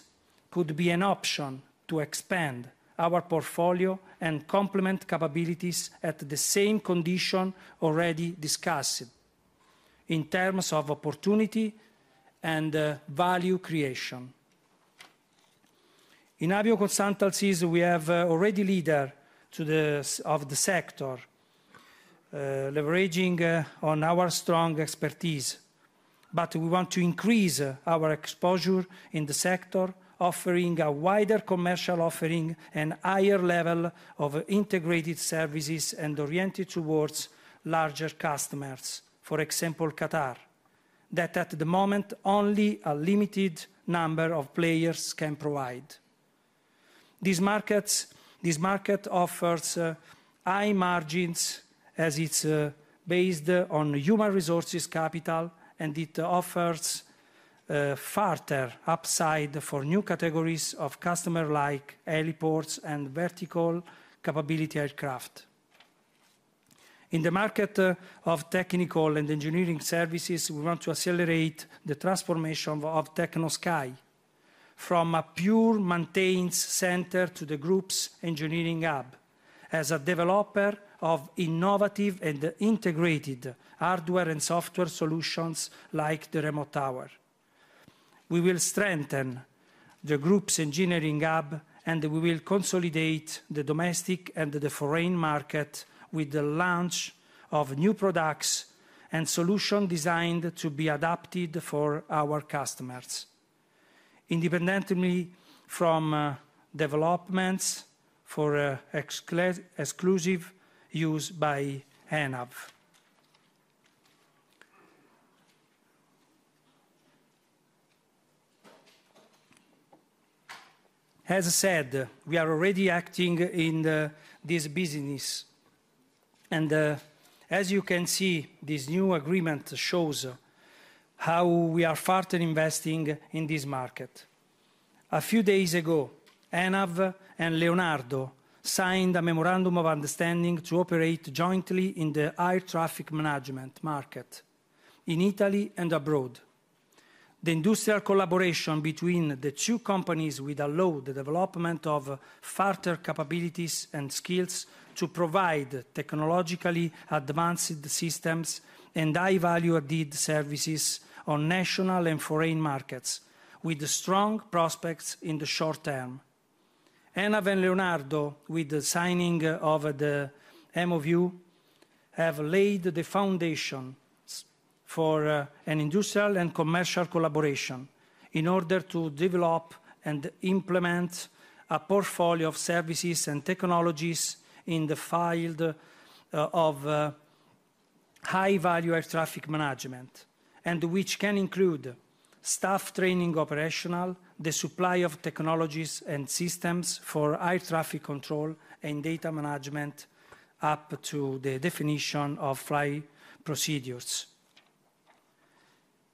could be an option to expand our portfolio and complement capabilities at the same condition already discussed in terms of opportunity and value creation. In Avio consultancies, we are already leaders of the sector, leveraging on our strong expertise. But we want to increase our exposure in the sector, offering a wider commercial offering and a higher level of integrated services and oriented towards larger customers, for example, Qatar, that at the moment only a limited number of players can provide. This market offers high margins as it's based on human resources capital, and it offers farther upside for new categories of customer-like heliports and vertical capability aircraft. In the market of technical and engineering services, we want to accelerate the transformation of Techno Sky from a pure maintenance center to the group's engineering hub as a developer of innovative and integrated hardware and software solutions like the remote tower. We will strengthen the group's engineering hub, and we will consolidate the domestic and the foreign market with the launch of new products and solutions designed to be adapted for our customers, independently from developments for exclusive use by ENAV. As said, we are already acting in this business. As you can see, this new agreement shows how we are farther investing in this market. A few days ago, ENAV and Leonardo signed a memorandum of understanding to operate jointly in the air traffic management market in Italy and abroad. The industrial collaboration between the two companies will allow the development of further capabilities and skills to provide technologically advanced systems and high-value-added services on national and foreign markets with strong prospects in the short term. ENAV and Leonardo, with the signing of the MOU, have laid the foundations for an industrial and commercial collaboration in order to develop and implement a portfolio of services and technologies in the field of high-value air traffic management, which can include staff training operational, the supply of technologies and systems for air traffic control, and data management up to the definition of flight procedures.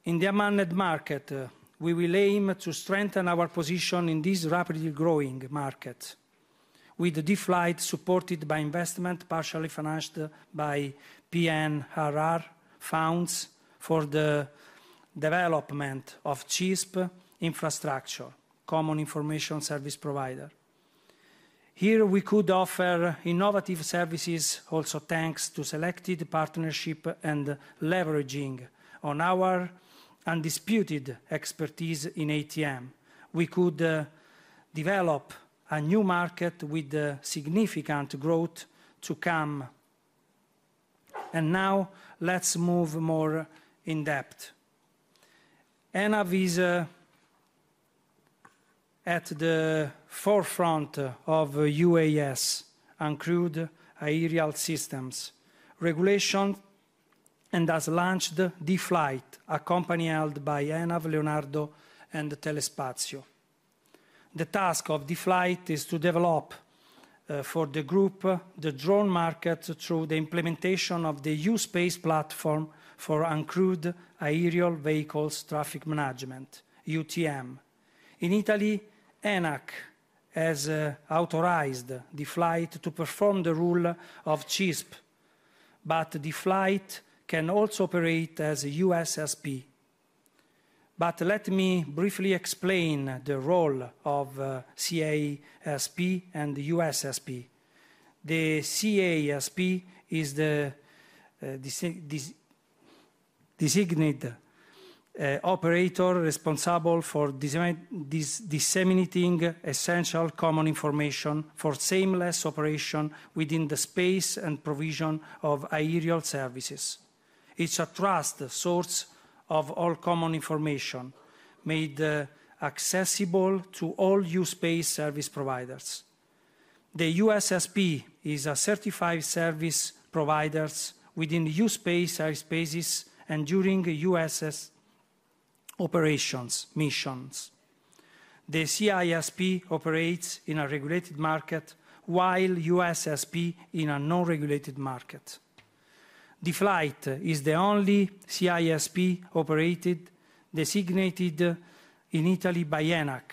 In the unmanned market, we will aim to strengthen our position in this rapidly growing market with the D-Flight supported by investment partially financed by PNRR funds for the development of CISP infrastructure, Common Information Service Provider. Here, we could offer innovative services also thanks to selected partnerships and leveraging on our undisputed expertise in ATM. We could develop a new market with significant growth to come. And now let's move more in depth. ENAV is at the forefront of UAS and crewed aerial systems regulation and has launched D-Flight, a company held by ENAV, Leonardo, and Telespazio. The task of D-Flight is to develop for the group the drone market through the implementation of the U-Space platform for uncrewed aerial vehicles traffic management, UTM. In Italy, ENAC has authorized D-Flight to perform the role of CISP, but D-Flight can also operate as a USSP. Let me briefly explain the role of CISP and USSP. The CISP is the designated operator responsible for disseminating essential common information for seamless operation within the space and provision of aerial services. It's a trusted source of all common information made accessible to all U-Space Service Providers. The USSP is a certified service provider within the U-Space airspaces and during UAS operations missions. The CISP operates in a regulated market while USSP in a non-regulated market. D-Flight is the only CISP designated in Italy by ENAC,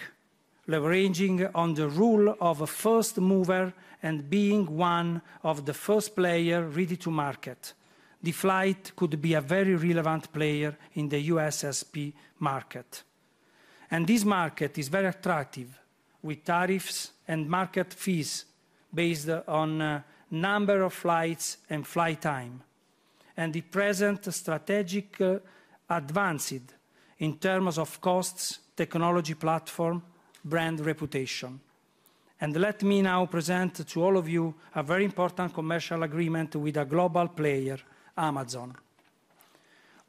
leveraging on the rule of a first mover and being one of the first players ready to market. D-Flight could be a very relevant player in the USSP market. This market is very attractive with tariffs and market fees based on the number of flights and flight time and the present strategic advances in terms of costs, technology platform, brand reputation. Let me now present to all of you a very important commercial agreement with a global player, Amazon.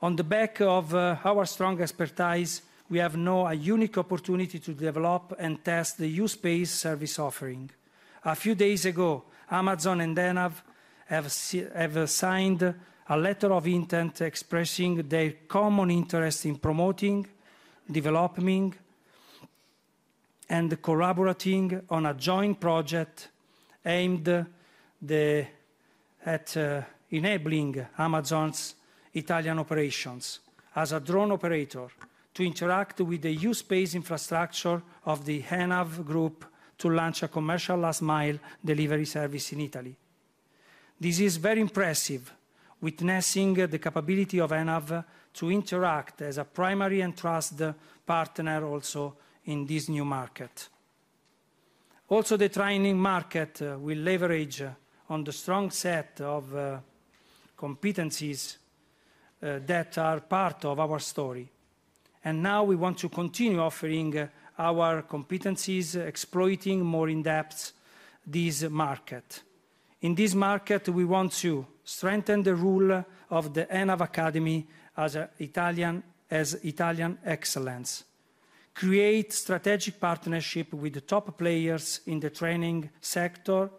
On the back of our strong expertise, we have now a unique opportunity to develop and test the U-Space service offering. A few days ago, Amazon and ENAV have signed a letter of intent expressing their common interest in promoting, developing, and collaborating on a joint project aimed at enabling Amazon's Italian operations as a drone operator to interact with the U-Space infrastructure of the ENAV group to launch a commercial last-mile delivery service in Italy. This is very impressive, witnessing the capability of ENAV to interact as a primary and trusted partner also in this new market. Also, the training market will leverage on the strong set of competencies that are part of our story. And now we want to continue offering our competencies, exploiting more in depth this market. In this market, we want to strengthen the role of the ENAV Academy as Italian excellence, create strategic partnerships with the top players in the training sector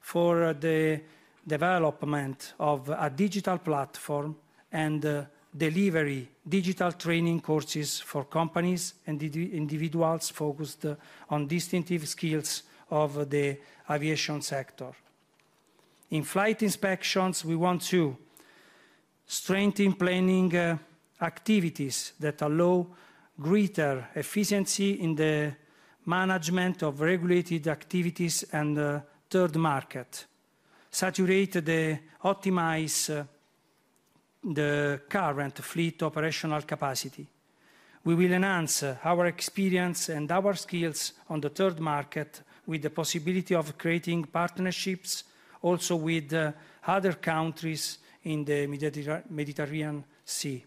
for the development of a digital platform and delivery digital training courses for companies and individuals focused on distinctive skills of the aviation sector. In flight inspections, we want to strengthen planning activities that allow greater efficiency in the management of regulated activities and third markets, saturate and optimize the current fleet operational capacity. We will enhance our experience and our skills on the third market with the possibility of creating partnerships also with other countries in the Mediterranean Sea.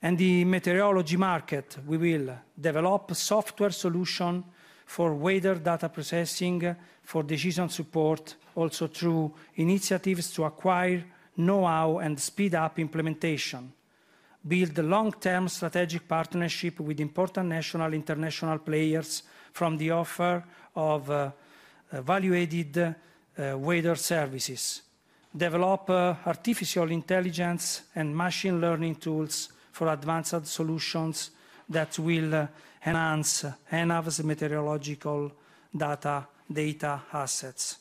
The meteorology market, we will develop software solutions for weather data processing for decision support, also through initiatives to acquire know-how and speed up implementation, build long-term strategic partnerships with important national and international players from the offer of valued weather services, develop artificial intelligence and machine learning tools for advanced solutions that will enhance ENAV's meteorological data assets.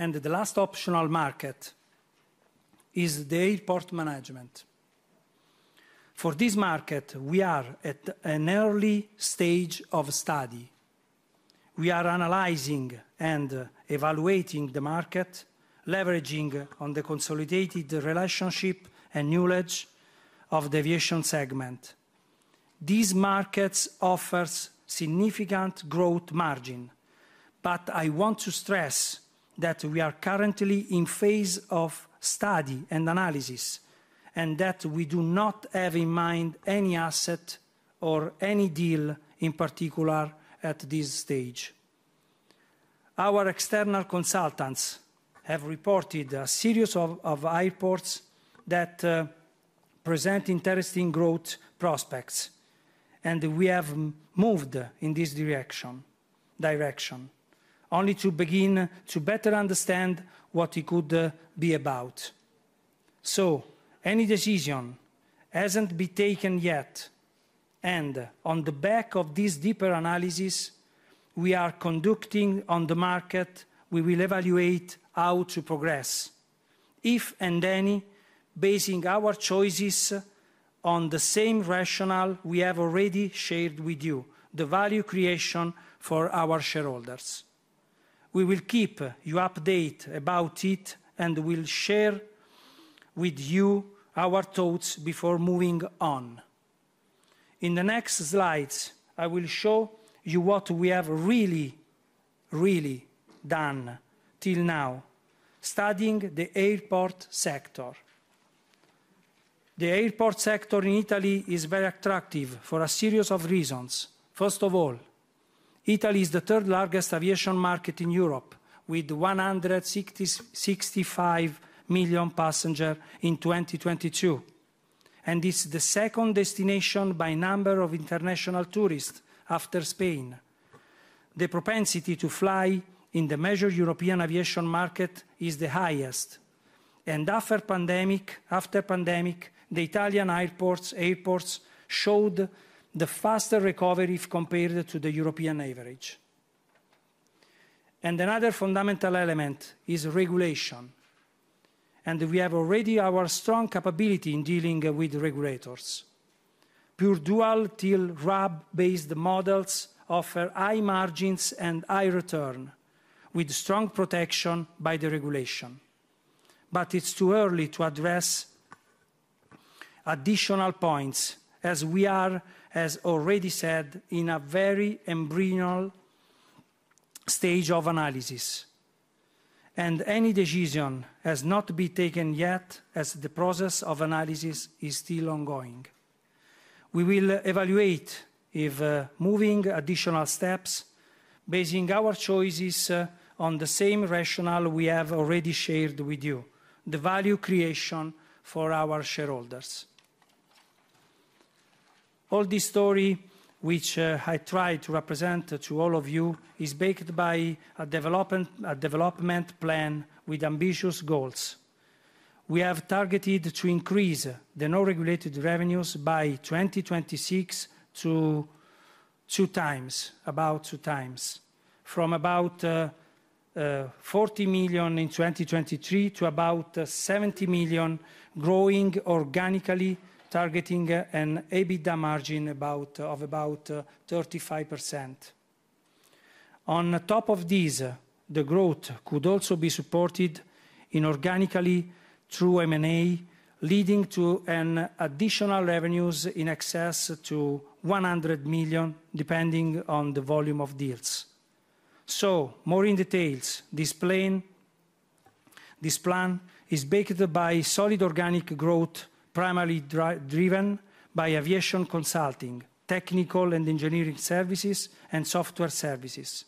The last optional market is the airport management. For this market, we are at an early stage of study. We are analyzing and evaluating the market, leveraging on the consolidated relationship and knowledge of the aviation segment. These markets offer significant growth margin. But I want to stress that we are currently in the phase of study and analysis and that we do not have in mind any asset or any deal in particular at this stage. Our external consultants have reported a series of airports that present interesting growth prospects. We have moved in this direction only to begin to better understand what it could be about. So any decision hasn't been taken yet. On the back of this deeper analysis, we are conducting on the market, we will evaluate how to progress, if and any, basing our choices on the same rationale we have already shared with you, the value creation for our shareholders. We will keep you updated about it and will share with you our thoughts before moving on. In the next slides, I will show you what we have really, really done till now, studying the airport sector. The airport sector in Italy is very attractive for a series of reasons. First of all, Italy is the third largest aviation market in Europe with 165 million passengers in 2022. It's the second destination by number of international tourists after Spain. The propensity to fly in the major European aviation market is the highest. After pandemic, the Italian airports showed the faster recovery compared to the European average. Another fundamental element is regulation. We have already our strong capability in dealing with regulators. Pure Dual Till RAB-based models offer high margins and high return with strong protection by the regulation. But it's too early to address additional points as we are, as already said, in a very embryonic stage of analysis. Any decision has not been taken yet as the process of analysis is still ongoing. We will evaluate if moving additional steps basing our choices on the same rationale we have already shared with you, the value creation for our shareholders. All this story, which I tried to represent to all of you, is backed by a development plan with ambitious goals. We have targeted to increase the non-regulated revenues by 2026 to two times, about two times, from about 40 million in 2023 to about 70 million growing organically, targeting an EBITDA margin of about 35%. On top of this, the growth could also be supported inorganically through M&A, leading to additional revenues in excess of 100 million, depending on the volume of deals. So more in details, this plan is backed by solid organic growth, primarily driven by aviation consulting, technical and engineering services, and software services.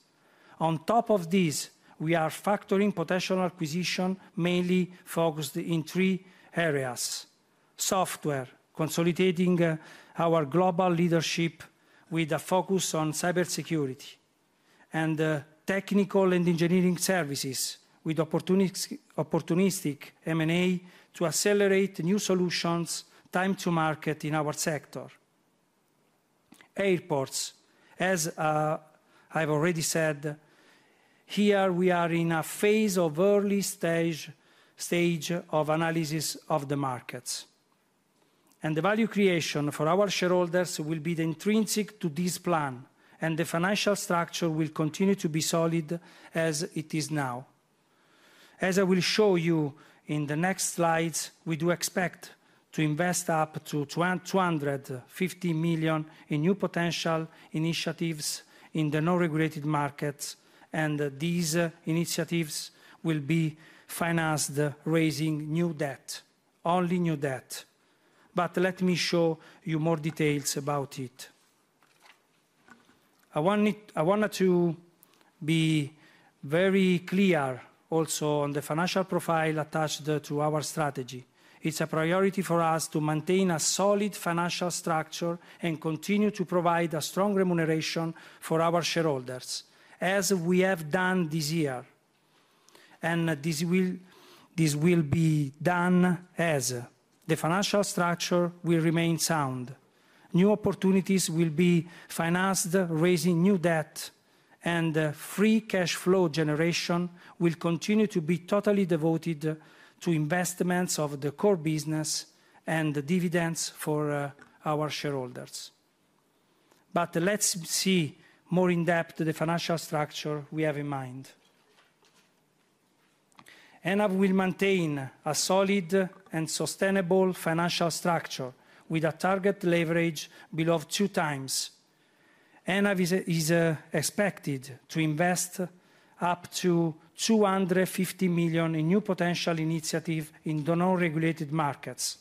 On top of this, we are factoring potential acquisition mainly focused in three areas: software, consolidating our global leadership with a focus on cybersecurity, and technical and engineering services with opportunistic M&A to accelerate new solutions, time to market in our sector. Airports, as I've already said, here we are in a phase of early stage of analysis of the markets. The value creation for our shareholders will be intrinsic to this plan. The financial structure will continue to be solid as it is now. As I will show you in the next slides, we do expect to invest up to 250 million in new potential initiatives in the non-regulated markets. These initiatives will be financed, raising new debt, only new debt. But let me show you more details about it. I want to be very clear also on the financial profile attached to our strategy. It's a priority for us to maintain a solid financial structure and continue to provide a strong remuneration for our shareholders as we have done this year. This will be done as the financial structure will remain sound. New opportunities will be financed, raising new debt. Free cash flow generation will continue to be totally devoted to investments of the core business and dividends for our shareholders. Let's see more in depth the financial structure we have in mind. ENAV will maintain a solid and sustainable financial structure with a target leverage below two times. ENAV is expected to invest up to 250 million in new potential initiatives in the non-regulated markets.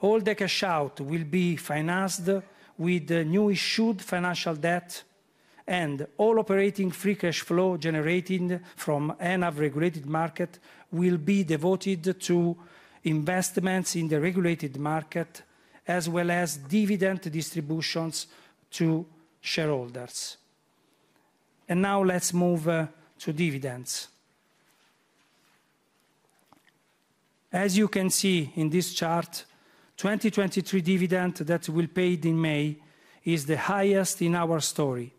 All the cash out will be financed with new issued financial debt. All operating free cash flow generated from ENAV regulated markets will be devoted to investments in the regulated market as well as dividend distributions to shareholders. Now let's move to dividends. As you can see in this chart, 2023 dividend that will be paid in May is the highest in our story,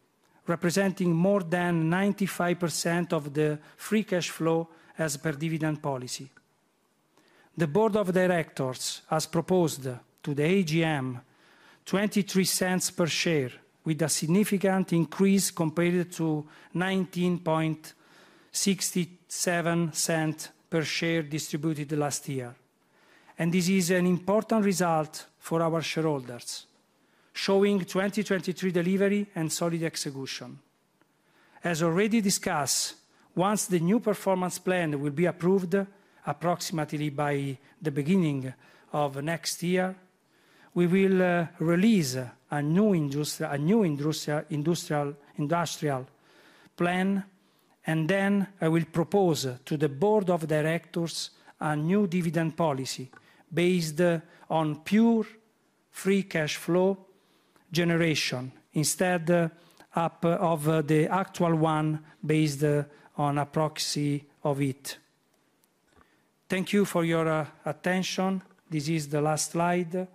representing more than 95% of the free cash flow as per dividend policy. The board of directors has proposed to the AGM 0.23 per share, with a significant increase compared to 0.1967 per share distributed last year. This is an important result for our shareholders, showing 2023 delivery and solid execution. As already discussed, once the new performance plan will be approved approximately by the beginning of next year, we will release a new industrial plan. Then I will propose to the board of directors a new dividend policy based on pure free cash flow generation instead of the actual one based on a proxy of it. Thank you for your attention. This is the last slide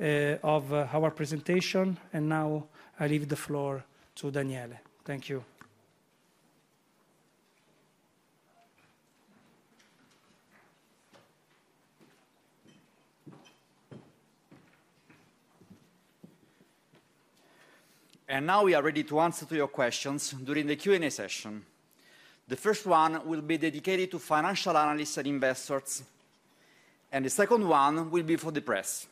of our presentation. Now I leave the floor to Daniele. Thank you. Now we are ready to answer your questions during the Q&A session. The first one will be dedicated to financial analysts and investors. The second one will be for the press.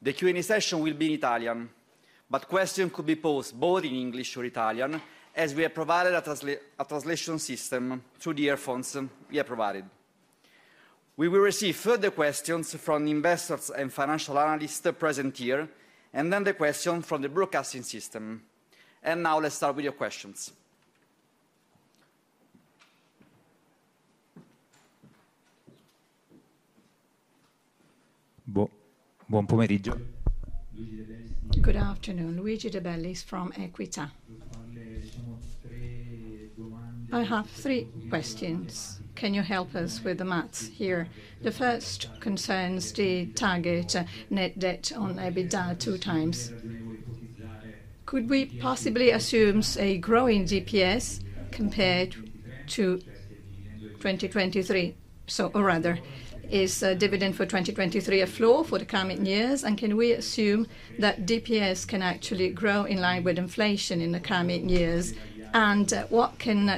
The Q&A session will be in Italian. But questions could be posed both in English or Italian as we have provided a translation system through the earphones we have provided. We will receive further questions from investors and financial analysts present here. Then the questions from the broadcasting system. Now let's start with your questions. Good afternoon. Luigi De Bellis from Equita. I have three questions. Can you help us with the math here? The first concerns the target net debt on EBITDA 2x. Could we possibly assume a growing DPS compared to 2023? Or rather, is dividend for 2023 a floor for the coming years? And can we assume that DPS can actually grow in line with inflation in the coming years? And what can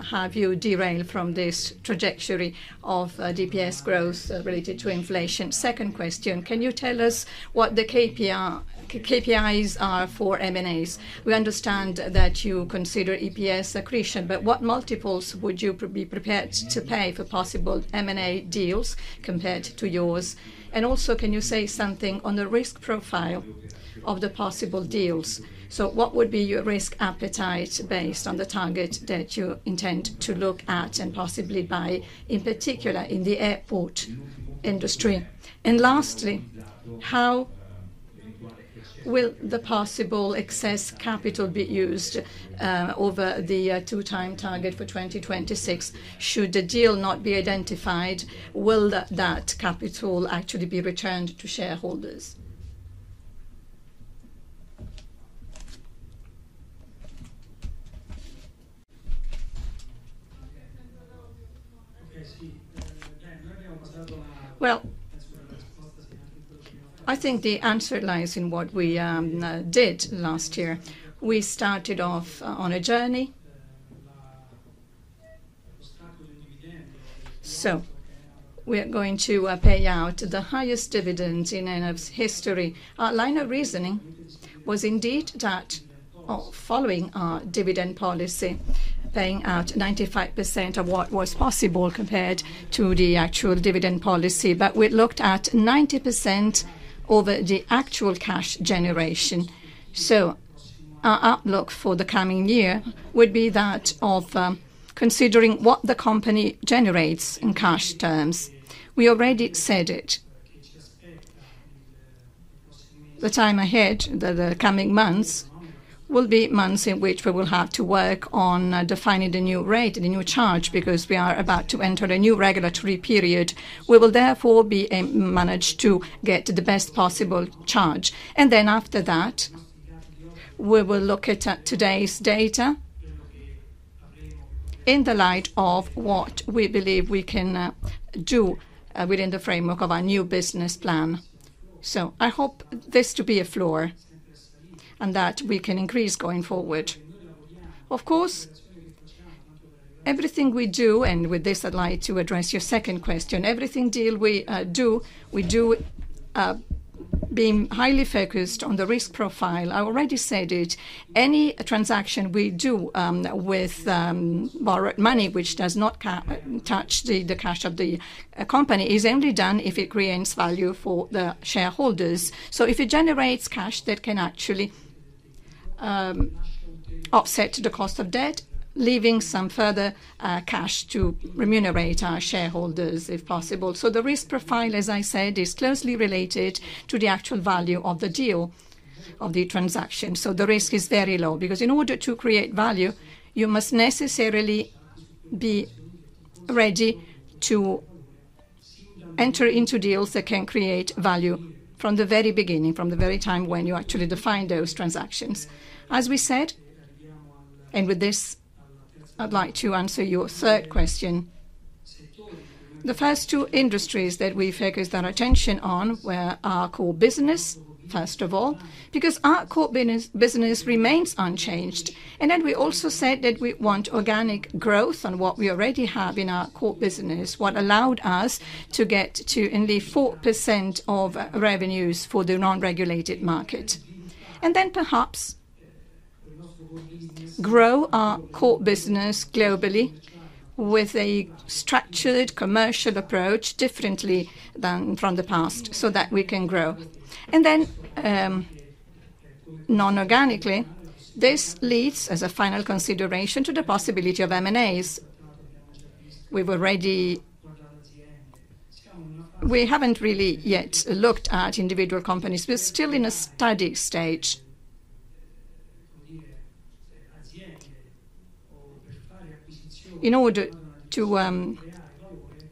have you derail from this trajectory of DPS growth related to inflation? Second question, can you tell us what the KPIs are for M&As? We understand that you consider EPS accretion. But what multiples would you be prepared to pay for possible M&A deals compared to yours? And also, can you say something on the risk profile of the possible deals? So what would be your risk appetite based on the target that you intend to look at and possibly buy in particular in the airport industry? And lastly, how will the possible excess capital be used over the two-year target for 2026? Should the deal not be identified, will that capital actually be returned to shareholders? I think the answer lies in what we did last year. We started off on a journey. So we are going to pay out the highest dividend in ENAV's history. Our line of reasoning was indeed that following our dividend policy, paying out 95% of what was possible compared to the actual dividend policy. But we looked at 90% over the actual cash generation. So our outlook for the coming year would be that of considering what the company generates in cash terms. We already said it. The time ahead, the coming months, will be months in which we will have to work on defining the new rate, the new charge, because we are about to enter a new regulatory period. We will therefore be managed to get the best possible charge. And then after that, we will look at today's data in the light of what we believe we can do within the framework of our new business plan. So I hope this to be a floor and that we can increase going forward. Of course, everything we do and with this, I'd like to address your second question. Everything deal we do, we do be highly focused on the risk profile. I already said it. Any transaction we do with borrowed money which does not touch the cash of the company is only done if it creates value for the shareholders. So if it generates cash that can actually offset the cost of debt, leaving some further cash to remunerate our shareholders if possible. So the risk profile, as I said, is closely related to the actual value of the deal, of the transaction. The risk is very low because in order to create value, you must necessarily be ready to enter into deals that can create value from the very beginning, from the very time when you actually define those transactions. As we said, and with this, I'd like to answer your third question. The first two industries that we focused our attention on were our core business, first of all, because our core business remains unchanged. We also said that we want organic growth on what we already have in our core business, what allowed us to get to only 4% of revenues for the non-regulated market. Perhaps grow our core business globally with a structured commercial approach differently than from the past so that we can grow. Non-organically, this leads as a final consideration to the possibility of M&As. We haven't really yet looked at individual companies. We're still in a study stage. In order to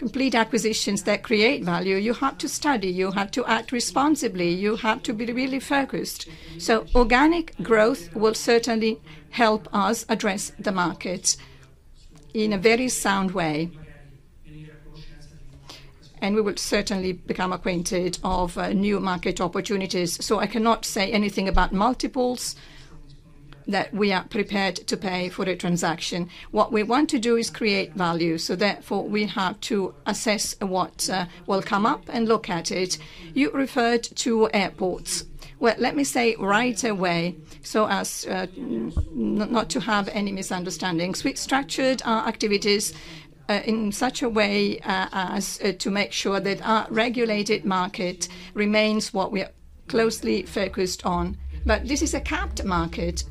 complete acquisitions that create value, you have to study. You have to act responsibly. You have to be really focused. So organic growth will certainly help us address the markets in a very sound way. And we will certainly become acquainted with new market opportunities. So I cannot say anything about multiples that we are prepared to pay for a transaction. What we want to do is create value. So therefore, we have to assess what will come up and look at it. You referred to airports. Well, let me say right away so as not to have any misunderstandings. We structured our activities in such a way as to make sure that our regulated market remains what we are closely focused on. But this is a capped market.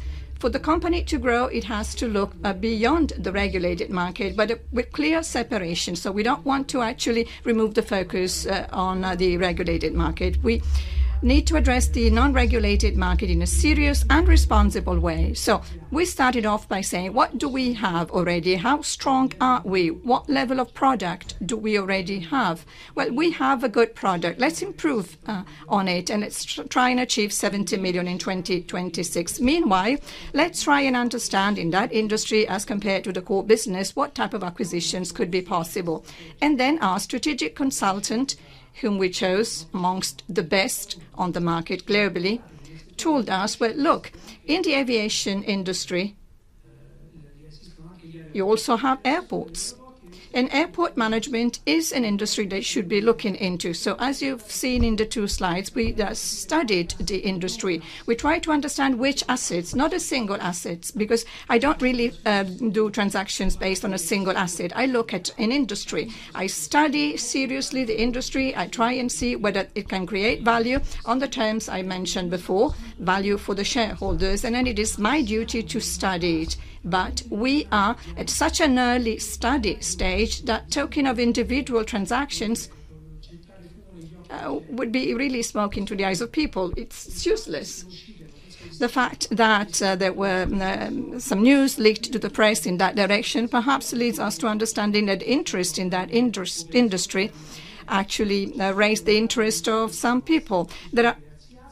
For the company to grow, it has to look beyond the regulated market, but with clear separation. So we don't want to actually remove the focus on the regulated market. We need to address the non-regulated market in a serious and responsible way. So we started off by saying, what do we have already? How strong are we? What level of product do we already have? Well, we have a good product. Let's improve on it. And let's try and achieve 70 million in 2026. Meanwhile, let's try and understand in that industry as compared to the core business what type of acquisitions could be possible. And then our strategic consultant, whom we chose amongst the best on the market globally, told us, "Well, look, in the aviation industry, you also have airports. And airport management is an industry that you should be looking into." As you've seen in the two slides, we studied the industry. We tried to understand which assets, not a single asset, because I don't really do transactions based on a single asset. I look at an industry. I study seriously the industry. I try and see whether it can create value on the terms I mentioned before, value for the shareholders. Then it is my duty to study it. But we are at such an early study stage that talking of individual transactions would be really smoking through the eyes of people. It's useless. The fact that there were some news leaked to the press in that direction perhaps leads us to understanding that interest in that industry actually raised the interest of some people. There are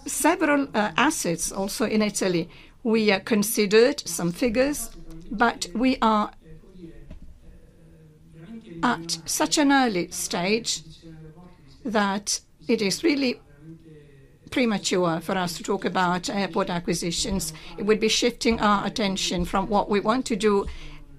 several assets also in Italy. We considered some figures. But we are at such an early stage that it is really premature for us to talk about airport acquisitions. It would be shifting our attention from what we want to do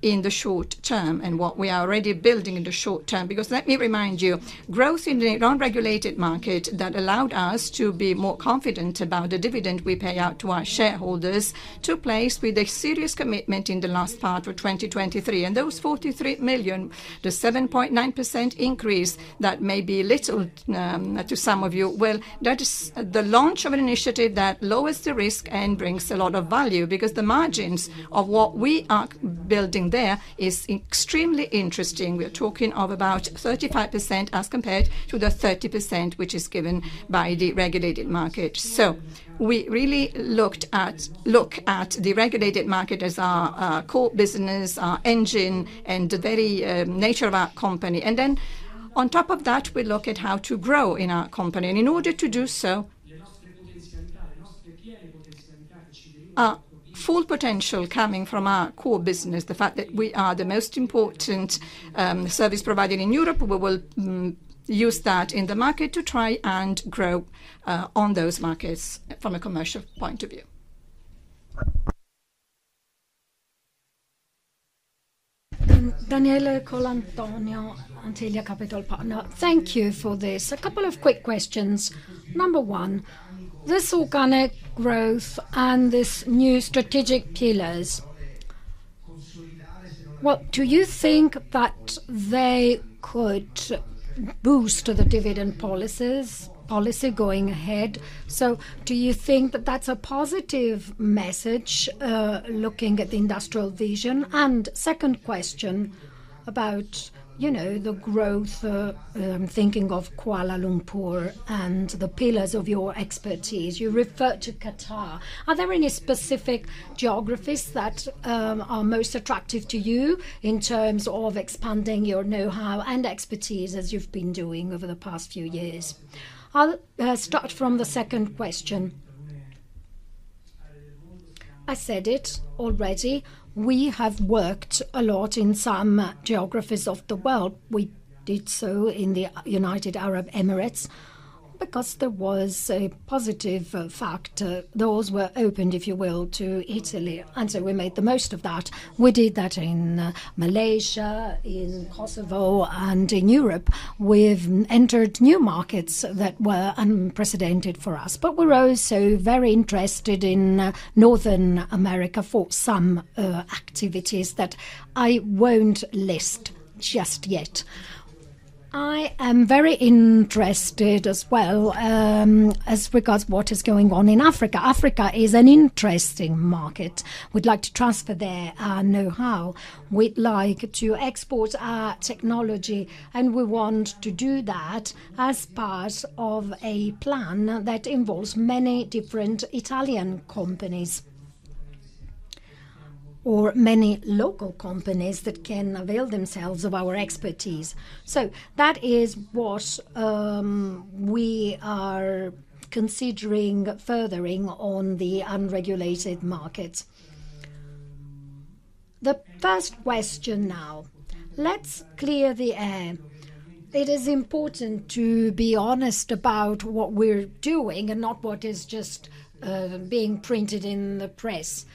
in the short term and what we are already building in the short term. Because let me remind you, growth in the non-regulated market that allowed us to be more confident about the dividend we pay out to our shareholders took place with a serious commitment in the last part of 2023. And those 43 million, the 7.9% increase that may be little to some of you, well, that is the launch of an initiative that lowers the risk and brings a lot of value because the margins of what we are building there is extremely interesting. We are talking of about 35% as compared to the 30% which is given by the regulated market. So we really look at the regulated market as our core business, our engine, and the very nature of our company. And then on top of that, we look at how to grow in our company. And in order to do so, our full potential coming from our core business, the fact that we are the most important service provider in Europe, we will use that in the market to try and grow on those markets from a commercial point of view. Thank you for this. A couple of quick questions. Number one, this organic growth and these new strategic pillars, well, do you think that they could boost the dividend policy going ahead? So do you think that that's a positive message looking at the industrial vision? And second question about the growth, thinking of Kuala Lumpur and the pillars of your expertise. You referred to Qatar. Are there any specific geographies that are most attractive to you in terms of expanding your know-how and expertise as you've been doing over the past few years? I'll start from the second question. I said it already. We have worked a lot in some geographies of the world. We did so in the United Arab Emirates because there was a positive factor. Doors were opened, if you will, to Italy. And so we made the most of that. We did that in Malaysia, in Kosovo, and in Europe. We've entered new markets that were unprecedented for us. But we're also very interested in North America for some activities that I won't list just yet. I am very interested as well as regards what is going on in Africa. Africa is an interesting market. We'd like to transfer there our know-how. We'd like to export our technology. We want to do that as part of a plan that involves many different Italian companies or many local companies that can avail themselves of our expertise. So that is what we are considering furthering on the unregulated markets. The first question now. Let's clear the air. It is important to be honest about what we're doing and not what is just being printed in the press.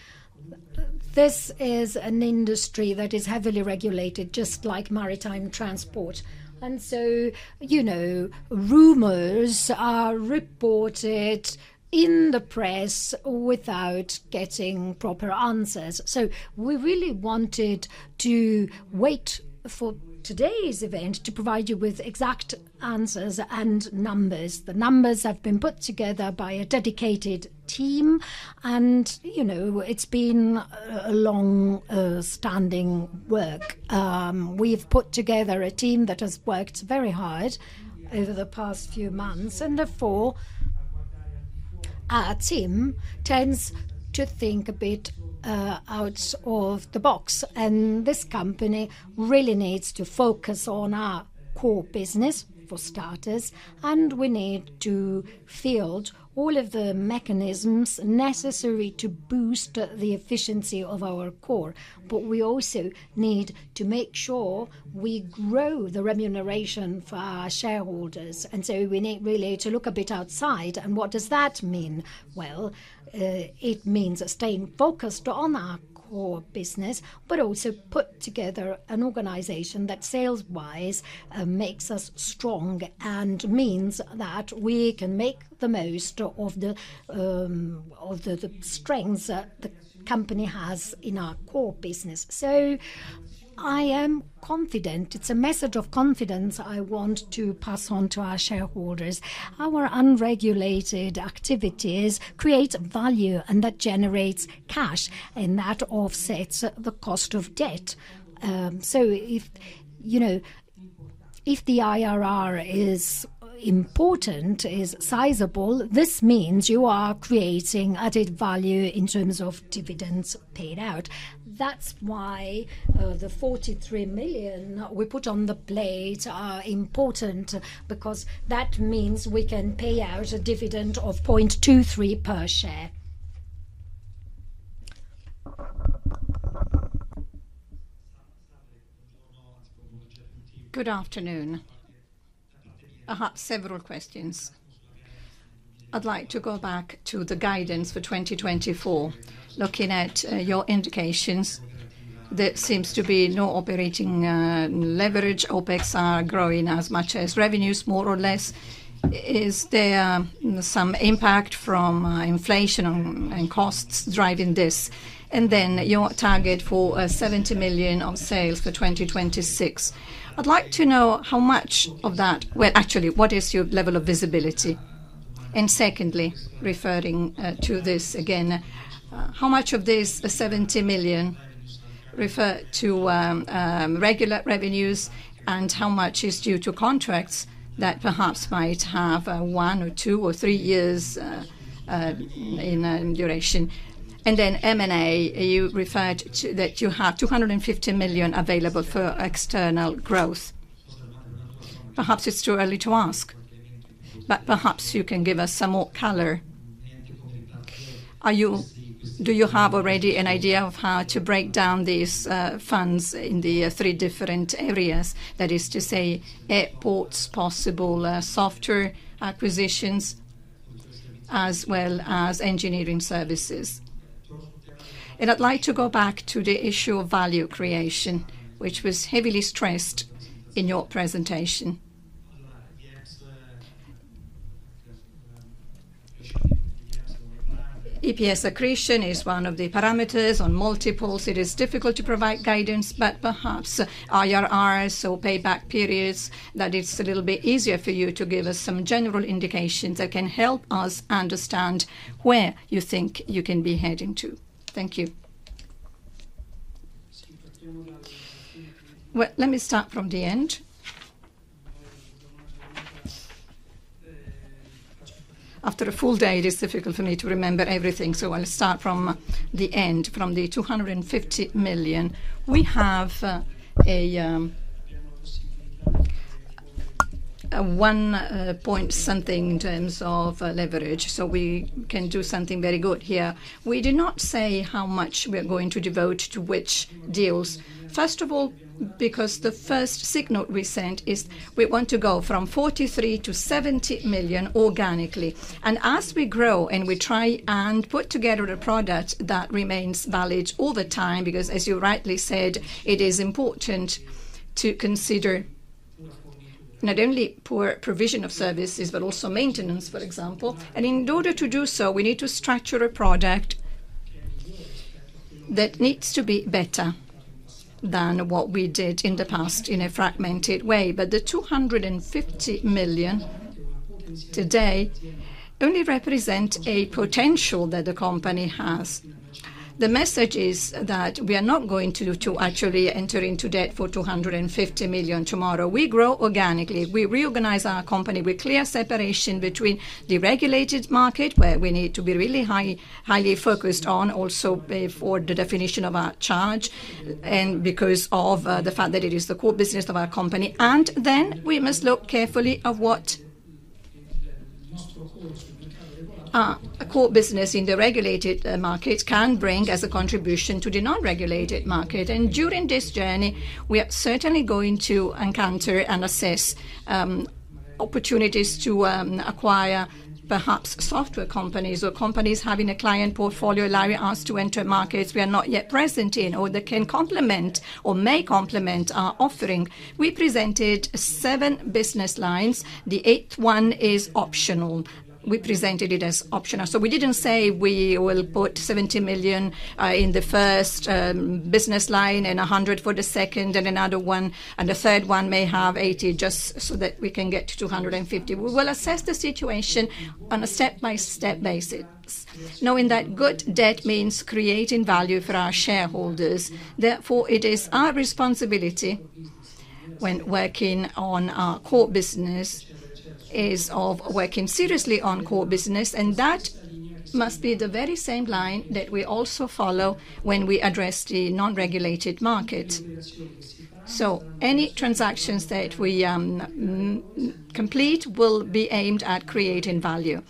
This is an industry that is heavily regulated, just like maritime transport. Rumors are reported in the press without getting proper answers. We really wanted to wait for today's event to provide you with exact answers and numbers. The numbers have been put together by a dedicated team. It's been a longstanding work. We've put together a team that has worked very hard over the past few months. Therefore, our team tends to think a bit out of the box. This company really needs to focus on our core business, for starters. We need to field all of the mechanisms necessary to boost the efficiency of our core. But we also need to make sure we grow the remuneration for our shareholders. So we need really to look a bit outside. What does that mean? Well, it means staying focused on our core business but also put together an organization that sales-wise makes us strong and means that we can make the most of the strengths the company has in our core business. So I am confident. It's a message of confidence I want to pass on to our shareholders. Our unregulated activities create value. That generates cash. That offsets the cost of debt. So if the IRR is important, is sizable, this means you are creating added value in terms of dividends paid out. That's why the 43 million we put on the plate are important because that means we can pay out a dividend of 0.23 per share. Good afternoon. Several questions. I'd like to go back to the guidance for 2024, looking at your indications. There seems to be no operating leverage. OpEx are growing as much as revenues, more or less. Is there some impact from inflation and costs driving this? And then your target for 70 million of sales for 2026. I'd like to know how much of that well, actually, what is your level of visibility? And secondly, referring to this again, how much of these 70 million refer to regular revenues? How much is due to contracts that perhaps might have one or two or three years in duration? Then M&A, you referred to that you have 250 million available for external growth. Perhaps it's too early to ask. But perhaps you can give us some more color. Do you have already an idea of how to break down these funds in the three different areas? That is to say, airports, possible software acquisitions, as well as engineering services. I'd like to go back to the issue of value creation, which was heavily stressed in your presentation. EPS accretion is one of the parameters on multiples. It is difficult to provide guidance. But perhaps IRRs or payback periods, that it's a little bit easier for you to give us some general indications that can help us understand where you think you can be heading to. Thank you. Well, let me start from the end. After a full day, it is difficult for me to remember everything. So I'll start from the end, from the 250 million. We have one point something in terms of leverage. So we can do something very good here. We do not say how much we are going to devote to which deals. First of all, because the first signal we sent is we want to go from 43 million to 70 million organically. And as we grow and we try and put together a product that remains valid over time because, as you rightly said, it is important to consider not only provision of services but also maintenance, for example. And in order to do so, we need to structure a product that needs to be better than what we did in the past in a fragmented way. But the 250 million today only represent a potential that the company has. The message is that we are not going to actually enter into debt for 250 million tomorrow. We grow organically. We reorganize our company with clear separation between the regulated market, where we need to be really highly focused on also for the definition of our charge and because of the fact that it is the core business of our company. And then we must look carefully at what a core business in the regulated market can bring as a contribution to the non-regulated market. And during this journey, we are certainly going to encounter and assess opportunities to acquire perhaps software companies or companies having a client portfolio allowing us to enter markets we are not yet present in or that can complement or may complement our offering. We presented seven business lines. The eighth one is optional. We presented it as optional. So we didn't say we will put 70 million in the first business line and 100 million for the second and another one. And the third one may have 80 million just so that we can get to 250 million. We will assess the situation on a step-by-step basis, knowing that good debt means creating value for our shareholders. Therefore, it is our responsibility when working on our core business is of working seriously on core business. And that must be the very same line that we also follow when we address the non-regulated market. So any transactions that we complete will be aimed at creating value.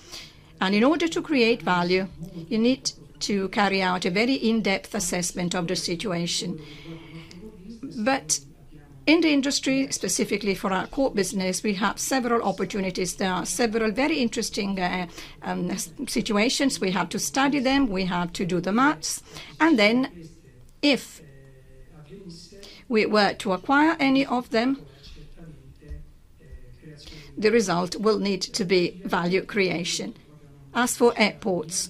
And in order to create value, you need to carry out a very in-depth assessment of the situation. But in the industry, specifically for our core business, we have several opportunities. There are several very interesting situations. We have to study them. We have to do the math. And then if we were to acquire any of them, the result will need to be value creation. As for airports,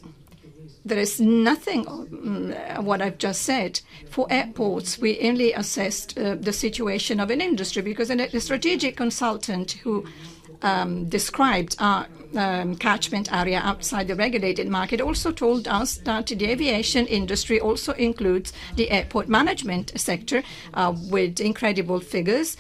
there is nothing of what I've just said. For airports, we only assessed the situation of an industry because the strategic consultant who described our catchment area outside the regulated market also told us that the aviation industry also includes the airport management sector with incredible figures.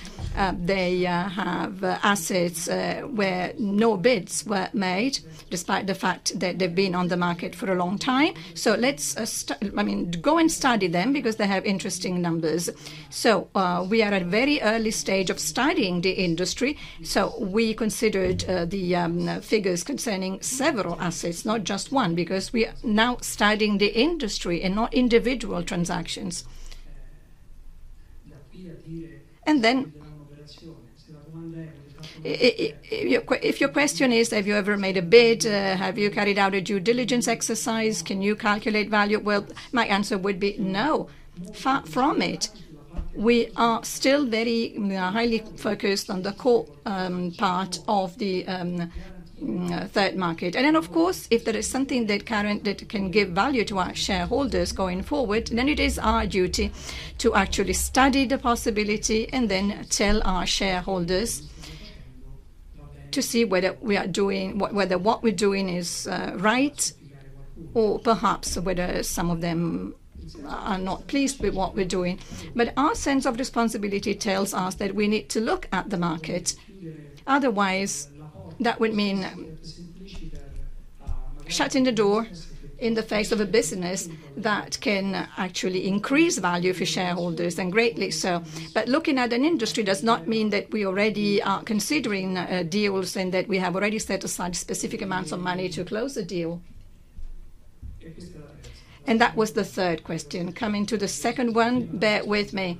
They have assets where no bids were made despite the fact that they've been on the market for a long time. So let's, I mean, go and study them because they have interesting numbers. So we are at a very early stage of studying the industry. We considered the figures concerning several assets, not just one because we are now studying the industry and not individual transactions. And then if your question is, have you ever made a bid? Have you carried out a due diligence exercise? Can you calculate value? Well, my answer would be no. Far from it. We are still very highly focused on the core part of the third market. And then, of course, if there is something that can give value to our shareholders going forward, then it is our duty to actually study the possibility and then tell our shareholders to see whether what we're doing is right or perhaps whether some of them are not pleased with what we're doing. But our sense of responsibility tells us that we need to look at the market. Otherwise, that would mean shutting the door in the face of a business that can actually increase value for shareholders and greatly so. But looking at an industry does not mean that we already are considering deals and that we have already set aside specific amounts of money to close a deal. And that was the third question. Coming to the second one, bear with me.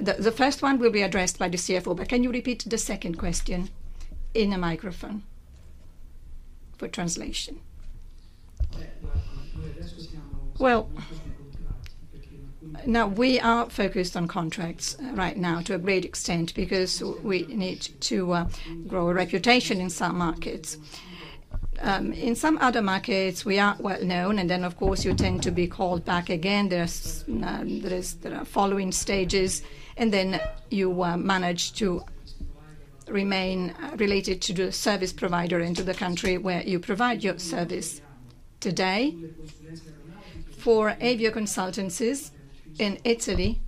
The first one will be addressed by the CFO. But can you repeat the second question in the microphone for translation? Now, we are focused on contracts right now to a great extent because we need to grow a reputation in some markets. In some other markets, we are well known. And then, of course, you tend to be called back again. There are following stages. And then you manage to remain related to the service provider into the country where you provide your service today. For aviation consultancies in Italy,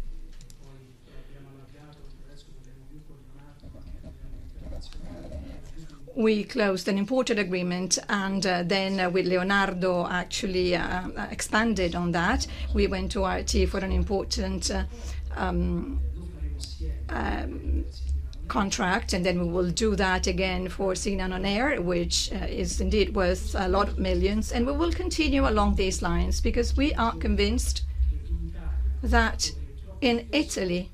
we closed an important agreement. And then with Leonardo, actually expanded on that. We went to Italy for an important contract. And then we will do that again for Ukraerorukh, which is indeed worth a lot of millions. And we will continue along these lines because we are convinced that in Italy,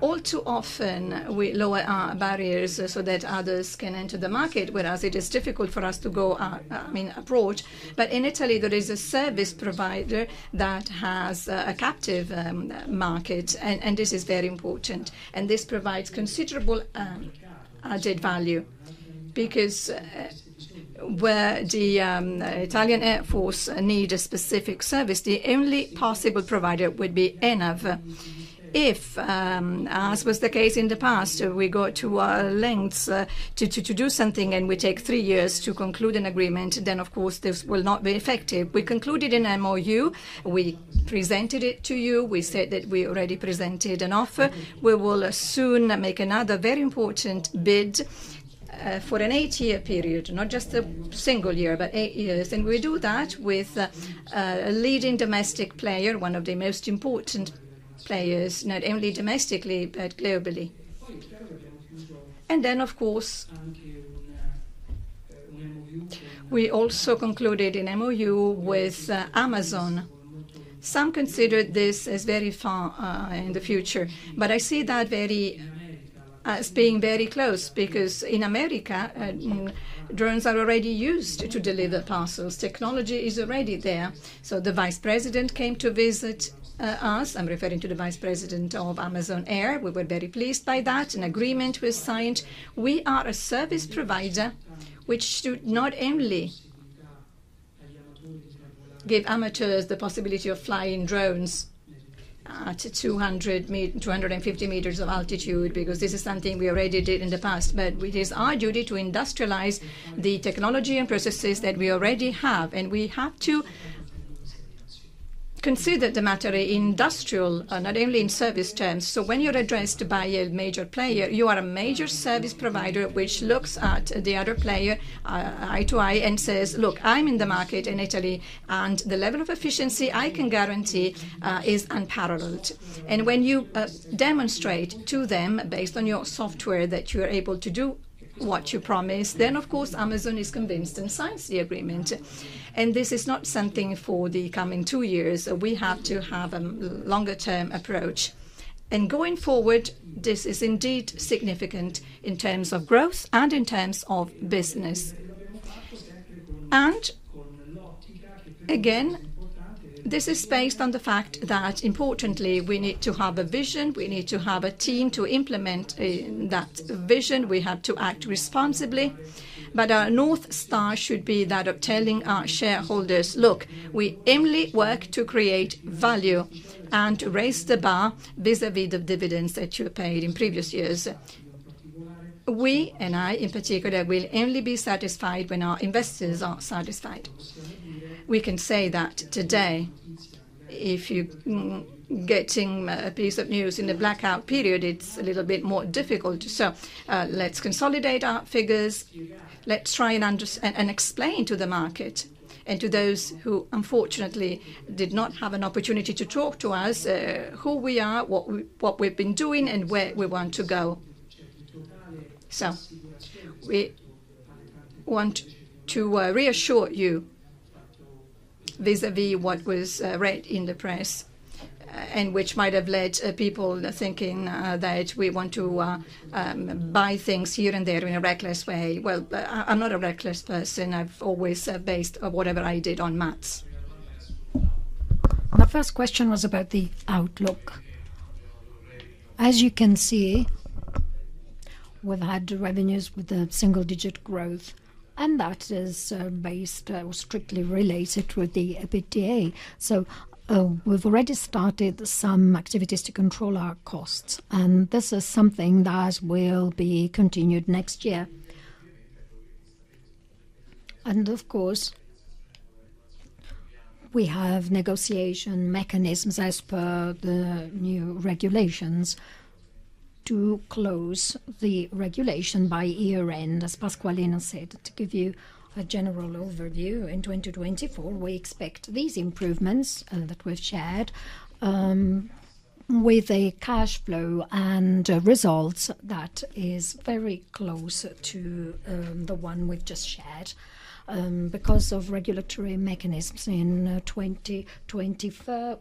all too often, we lower our barriers so that others can enter the market, whereas it is difficult for us to go, I mean, approach. But in Italy, there is a service provider that has a captive market. And this is very important. And this provides considerable added value because where the Italian Air Force needs a specific service, the only possible provider would be ENAV. As was the case in the past, we go to lengths to do something. We take three years to conclude an agreement. Then, of course, this will not be effective. We concluded an MOU. We presented it to you. We said that we already presented an offer. We will soon make another very important bid for an eight-year period, not just a single year but eight years. We do that with a leading domestic player, one of the most important players, not only domestically but globally. Then, of course, we also concluded an MOU with Amazon. Some considered this as very far in the future. But I see that as being very close because in America, drones are already used to deliver parcels. Technology is already there. So the vice president came to visit us. I'm referring to the vice president of Amazon Air. We were very pleased by that. An agreement was signed. We are a service provider which should not only give amateurs the possibility of flying drones to 250 meters of altitude because this is something we already did in the past. It is our duty to industrialize the technology and processes that we already have. We have to consider the matter industrial, not only in service terms. When you're addressed by a major player, you are a major service provider which looks at the other player eye to eye and says, "Look, I'm in the market in Italy. And the level of efficiency I can guarantee is unparalleled." When you demonstrate to them based on your software that you are able to do what you promise, then, of course, Amazon is convinced and signs the agreement. This is not something for the coming two years. We have to have a longer-term approach. Going forward, this is indeed significant in terms of growth and in terms of business. Again, this is based on the fact that, importantly, we need to have a vision. We need to have a team to implement that vision. We have to act responsibly. But our North Star should be that of telling our shareholders, "Look, we only work to create value and to raise the bar vis-à-vis the dividends that you have paid in previous years." We and I, in particular, will only be satisfied when our investors are satisfied. We can say that today. If you're getting a piece of news in a blackout period, it's a little bit more difficult. Let's consolidate our figures. Let's try and explain to the market and to those who, unfortunately, did not have an opportunity to talk to us who we are, what we've been doing, and where we want to go. So we want to reassure you vis-à-vis what was read in the press and which might have led people thinking that we want to buy things here and there in a reckless way. Well, I'm not a reckless person. I've always based, whatever I did, on math. The first question was about the outlook. As you can see, we've had revenues with a single-digit growth. And that is based or strictly related with the EBITDA. So we've already started some activities to control our costs. And this is something that will be continued next year. And, of course, we have negotiation mechanisms as per the new regulations to close the regulation by year-end, as Pasqualino said. To give you a general overview, in 2024, we expect these improvements that we've shared with a cash flow and results that is very close to the one we've just shared. Because of regulatory mechanisms in 2024,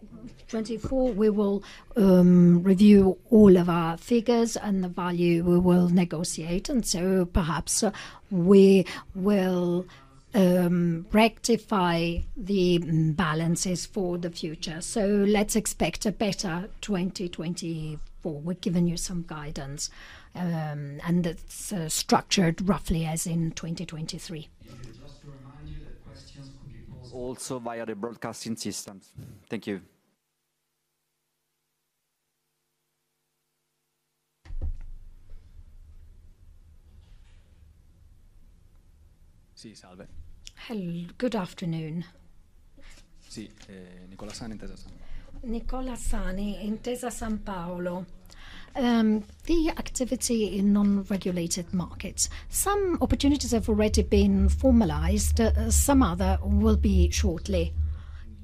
we will review all of our figures. The value, we will negotiate. So perhaps we will rectify the balances for the future. Let's expect a better 2024. We've given you some guidance. It's structured roughly as in 2023. Also via the broadcasting systems. Thank you. Good afternoon. Luca Bacoccoli, Intesa Sanpaolo. The activity in non-regulated markets, some opportunities have already been formalized. Some other will be shortly.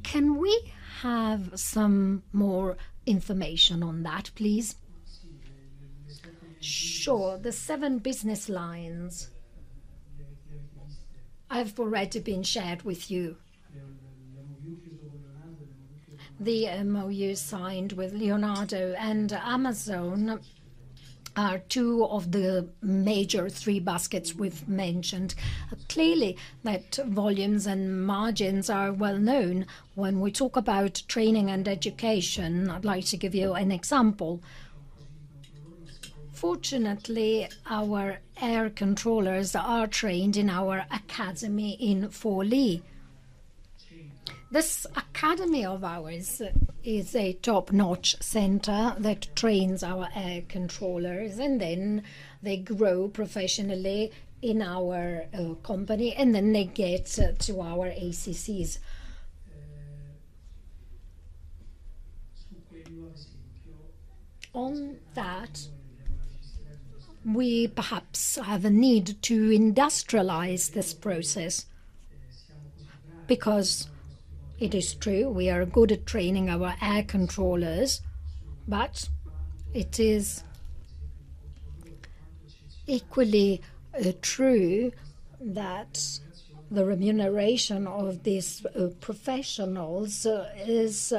Can we have some more information on that, please? Sure. The seven business lines have already been shared with you. The MOU signed with Leonardo and Amazon are two of the major three baskets we've mentioned. Clearly, that volumes and margins are well known. When we talk about training and education, I'd like to give you an example. Fortunately, our air controllers are trained in our academy in Forlì. This academy of ours is a top-notch center that trains our air controllers. And then they grow professionally in our company. And then they get to our ACCs. On that, we perhaps have a need to industrialize this process because it is true we are good at training our air controllers. But it is equally true that the remuneration of these professionals is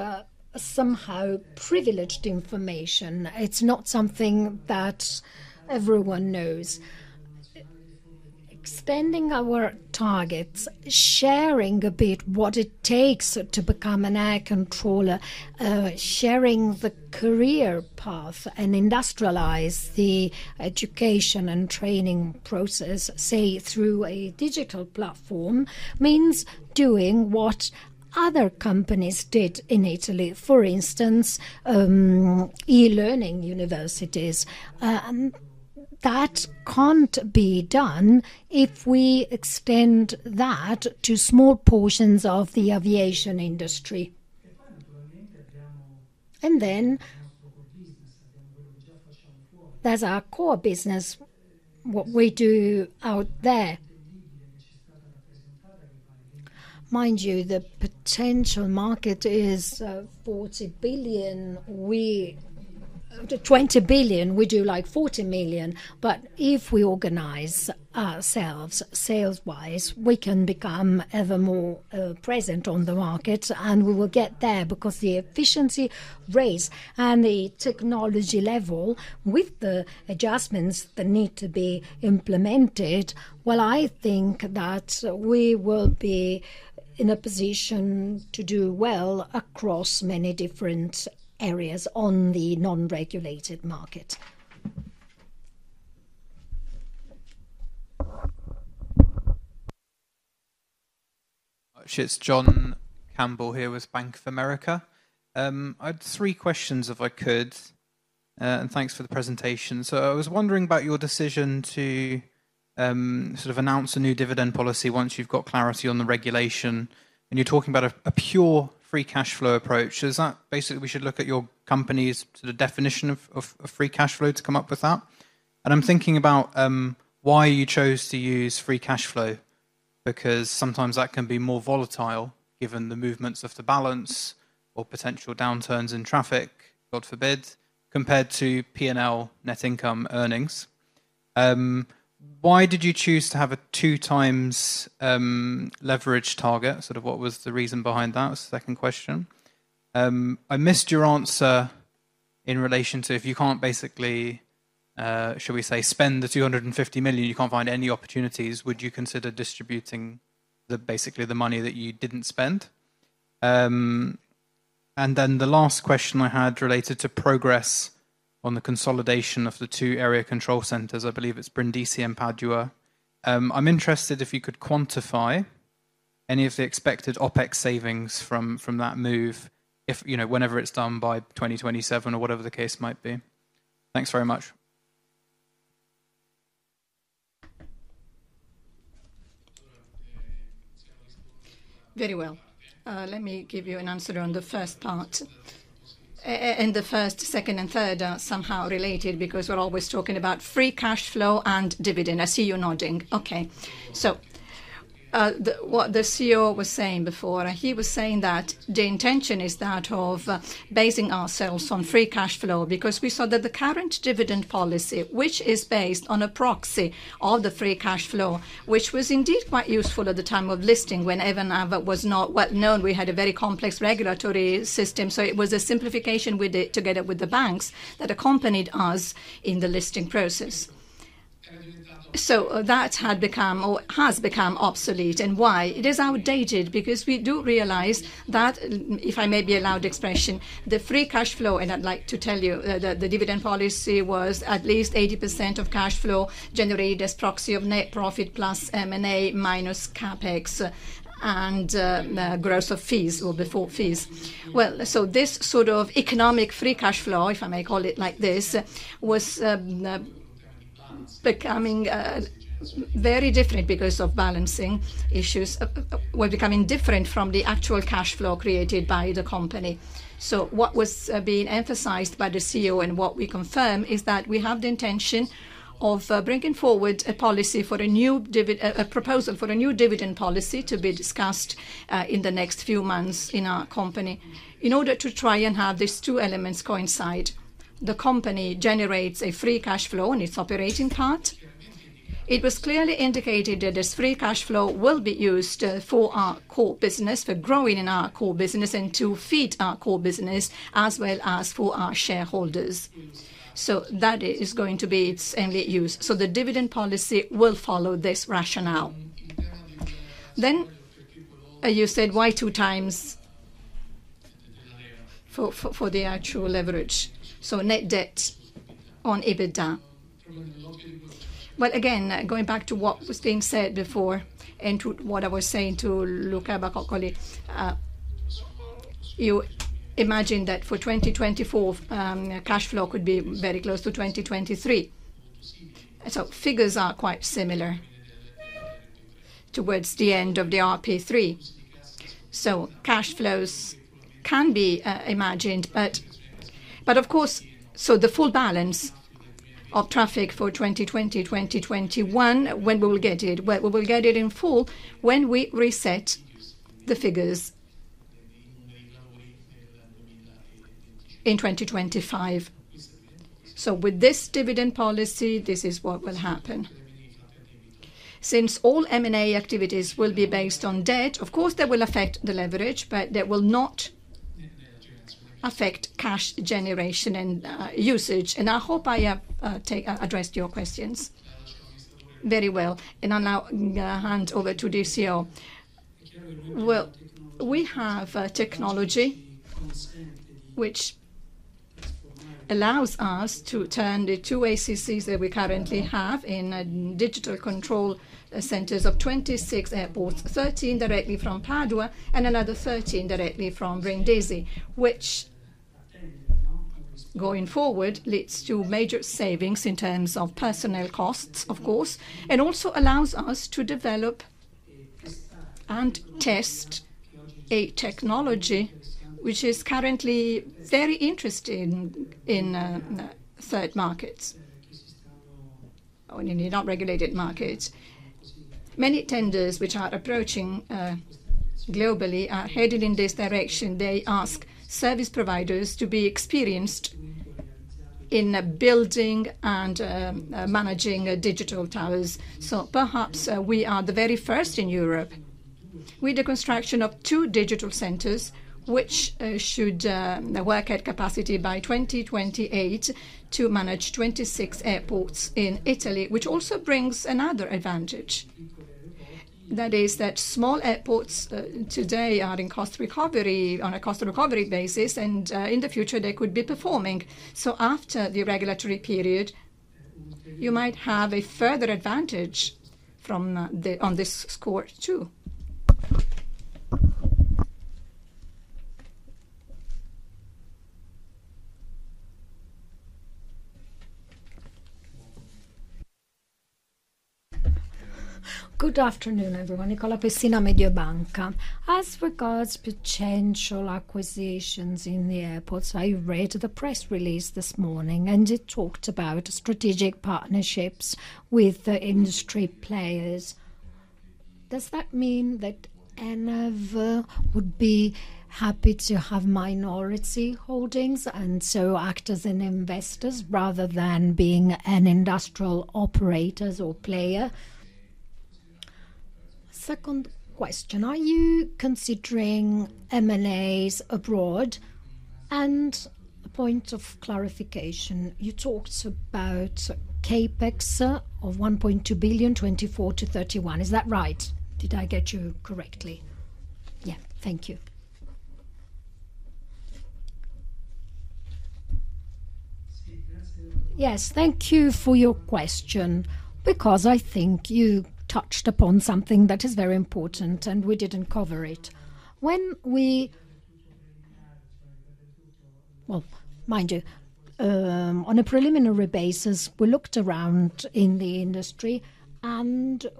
somehow privileged information. It's not something that everyone knows. Extending our targets, sharing a bit what it takes to become an air controller, sharing the career path, and industrialize the education and training process, say, through a digital platform, means doing what other companies did in Italy, for instance, e-learning universities. That can't be done if we extend that to small portions of the aviation industry. Then that's our core business, what we do out there. Mind you, the potential market is 40 billion. 20 billion. We do like 40 million. But if we organize ourselves sales-wise, we can become ever more present on the market. And we will get there because the efficiency rate and the technology level, with the adjustments that need to be implemented, well, I think that we will be in a position to do well across many different areas on the non-regulated market. Thanks, John Campbell here with Bank of America. I had three questions if I could. Thanks for the presentation. So I was wondering about your decision to sort of announce a new dividend policy once you've got clarity on the regulation. And you're talking about a pure free cash flow approach. Basically, we should look at your company's sort of definition of free cash flow to come up with that. And I'm thinking about why you chose to use free cash flow because sometimes that can be more volatile given the movements of the balance or potential downturns in traffic, God forbid, compared to P&L, net income, earnings. Why did you choose to have a 2x leverage target? Sort of what was the reason behind that? That's the second question. I missed your answer in relation to if you can't basically, shall we say, spend the 250 million, you can't find any opportunities, would you consider distributing basically the money that you didn't spend? And then the last question I had related to progress on the consolidation of the two area control centers, I believe it's Brindisi and Padua. I'm interested if you could quantify any of the expected OpEx savings from that move whenever it's done by 2027 or whatever the case might be. Thanks very much. Very well. Let me give you an answer on the first part. And the first, second, and third are somehow related because we're always talking about free cash flow and dividend. I see you nodding. Okay. So what the CEO was saying before, he was saying that the intention is that of basing ourselves on free cash flow because we saw that the current dividend policy, which is based on a proxy of the free cash flow, which was indeed quite useful at the time of listing when ENAV was not well known, we had a very complex regulatory system. So it was a simplification together with the banks that accompanied us in the listing process. So that has become obsolete. And why? It is outdated because we do realize that, if I may be allowed the expression, the free cash flow and I'd like to tell you that the dividend policy was at least 80% of cash flow generated as proxy of net profit plus M&A minus CAPEX and gross of fees or before fees. Well, so this sort of economic free cash flow, if I may call it like this, was becoming very different because of balancing issues, was becoming different from the actual cash flow created by the company. So what was being emphasized by the CEO and what we confirm is that we have the intention of bringing forward a proposal for a new dividend policy to be discussed in the next few months in our company in order to try and have these two elements coincide. The company generates a free cash flow on its operating part. It was clearly indicated that this free cash flow will be used for our core business, for growing in our core business, and to feed our core business as well as for our shareholders. So that is going to be its only use. So the dividend policy will follow this rationale. Then you said why two times for the actual leverage? So net debt on EBITDA. Well, again, going back to what was being said before and to what I was saying to Luca Bacoccoli, you imagine that for 2024, cash flow could be very close to 2023. So figures are quite similar towards the end of the RP3. So cash flows can be imagined. But, of course, so the full balance of traffic for 2020, 2021, when we will get it? Well, we will get it in full when we reset the figures in 2025. So with this dividend policy, this is what will happen. Since all M&A activities will be based on debt, of course, that will affect the leverage. But that will not affect cash generation and usage. And I hope I have addressed your questions. Very well. And I'll now hand over to the CEO. Well, we have technology which allows us to turn the two ACCs that we currently have into digital control centers of 26 airports, 13 directly from Padua and another 13 directly from Brindisi, which going forward leads to major savings in terms of personnel costs, of course, and also allows us to develop and test a technology which is currently very interested in third markets or in the non-regulated markets. Many tenders which are approaching globally are headed in this direction. They ask service providers to be experienced in building and managing digital towers. So perhaps we are the very first in Europe with the construction of two digital centers which should work at capacity by 2028 to manage 26 airports in Italy, which also brings another advantage. That is that small airports today are in cost recovery on a cost recovery basis. In the future, they could be performing. So after the regulatory period, you might have a further advantage on this score too. Good afternoon, everyone. Nicolò Pessina, Mediobanca. As regards potential acquisitions in the airports, I read the press release this morning. And it talked about strategic partnerships with industry players. Does that mean that ENAV would be happy to have minority holdings and so act as an investor rather than being an industrial operator or player? Second question. Are you considering M&As abroad? And point of clarification, you talked about CAPEX of 1.2 billion 2024-2031. Is that right? Did I get you correctly? Yeah. Thank you. Yes. Thank you for your question because I think you touched upon something that is very important. And we didn't cover it. When we well, mind you, on a preliminary basis, we looked around in the industry.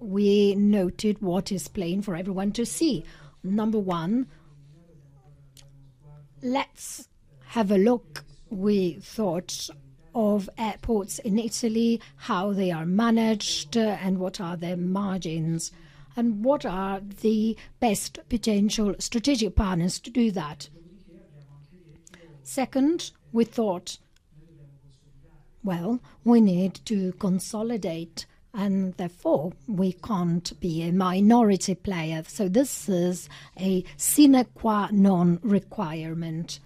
We noted what is playing for everyone to see. Number one, let's have a look, we thought, of airports in Italy, how they are managed, and what are their margins, and what are the best potential strategic partners to do that. Second, we thought, well, we need to consolidate. And therefore, we can't be a minority player. So this is a sine qua non requirement.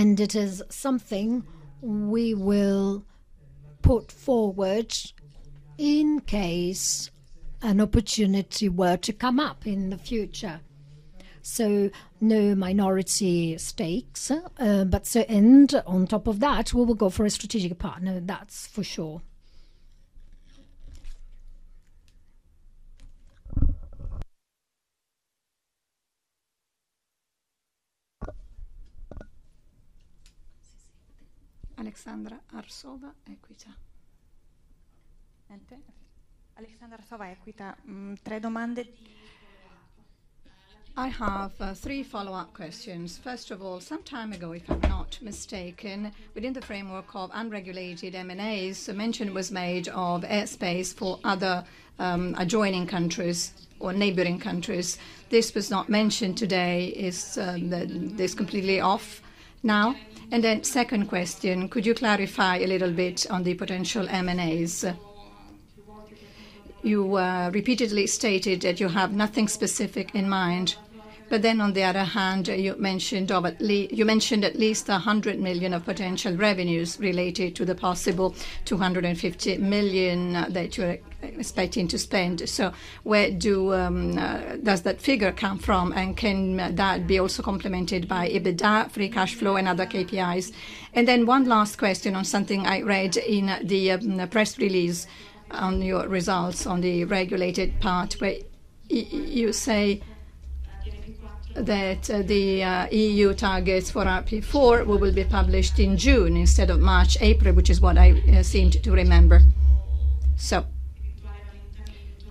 And it is something we will put forward in case an opportunity were to come up in the future. So no minority stakes. And on top of that, we will go for a strategic partner. That's for sure. Aleksandra Arsova, Equita. I have three follow-up questions. First of all, some time ago, if I'm not mistaken, within the framework of unregulated M&As, mention was made of airspace for other adjoining countries or neighboring countries. This was not mentioned today. It's completely off now. And then second question, could you clarify a little bit on the potential M&As? You repeatedly stated that you have nothing specific in mind. But then, on the other hand, you mentioned at least 100 million of potential revenues related to the possible 250 million that you're expecting to spend. So where does that figure come from? And can that be also complemented by EBITDA, free cash flow, and other KPIs? And then one last question on something I read in the press release on your results on the regulated part where you say that the EU targets for RP4 will be published in June instead of March, April, which is what I seem to remember.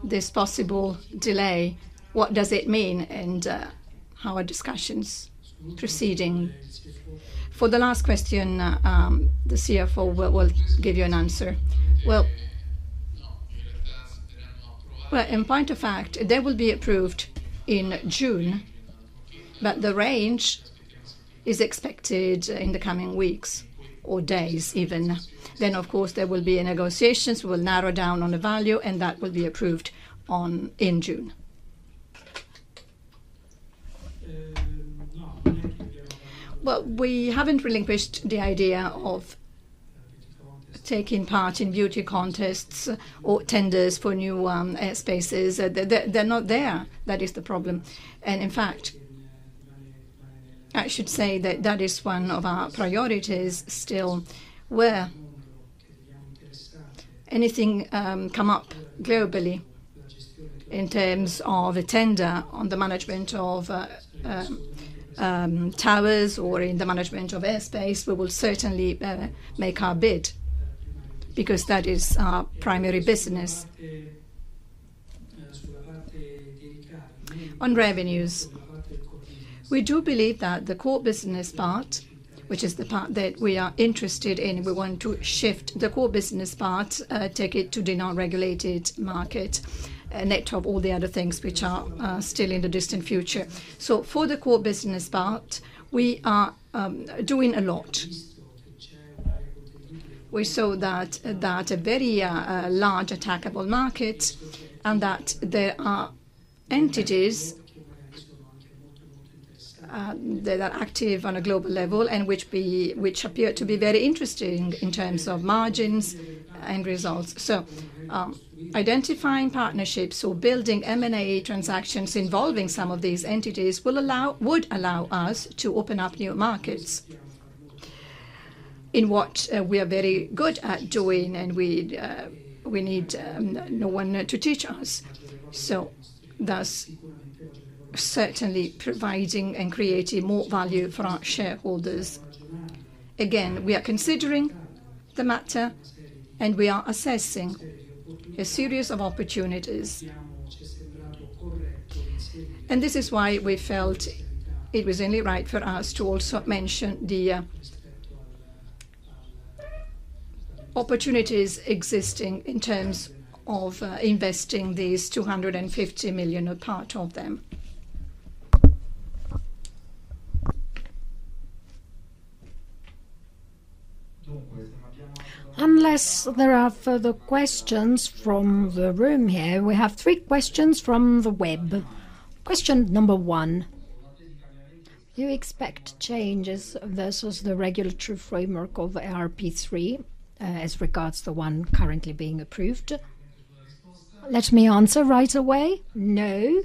So this possible delay, what does it mean? And how are discussions proceeding? For the last question, the CFO will give you an answer. Well, in point of fact, they will be approved in June. But the range is expected in the coming weeks or days even. Then, of course, there will be negotiations. We will narrow down on the value. And that will be approved in June. Well, we haven't relinquished the idea of taking part in beauty contests or tenders for new airspaces. They're not there. That is the problem. And in fact, I should say that that is one of our priorities still. Where anything come up globally in terms of a tender on the management of towers or in the management of airspace, we will certainly make our bid because that is our primary business. On revenues, we do believe that the core business part, which is the part that we are interested in. We want to shift the core business part, take it to the non-regulated market, net of all the other things which are still in the distant future. For the core business part, we are doing a lot. We saw that a very large attackable market and that there are entities that are active on a global level and which appear to be very interesting in terms of margins and results. Identifying partnerships or building M&A transactions involving some of these entities would allow us to open up new markets in what we are very good at doing. We need no one to teach us. Thus, certainly providing and creating more value for our shareholders. Again, we are considering the matter. We are assessing a series of opportunities. This is why we felt it was only right for us to also mention the opportunities existing in terms of investing these 250 million or part of them. Unless there are further questions from the room here, we have three questions from the web. Question number one: Do you expect changes versus the regulatory framework of RP3 as regards the one currently being approved? Let me answer right away: no.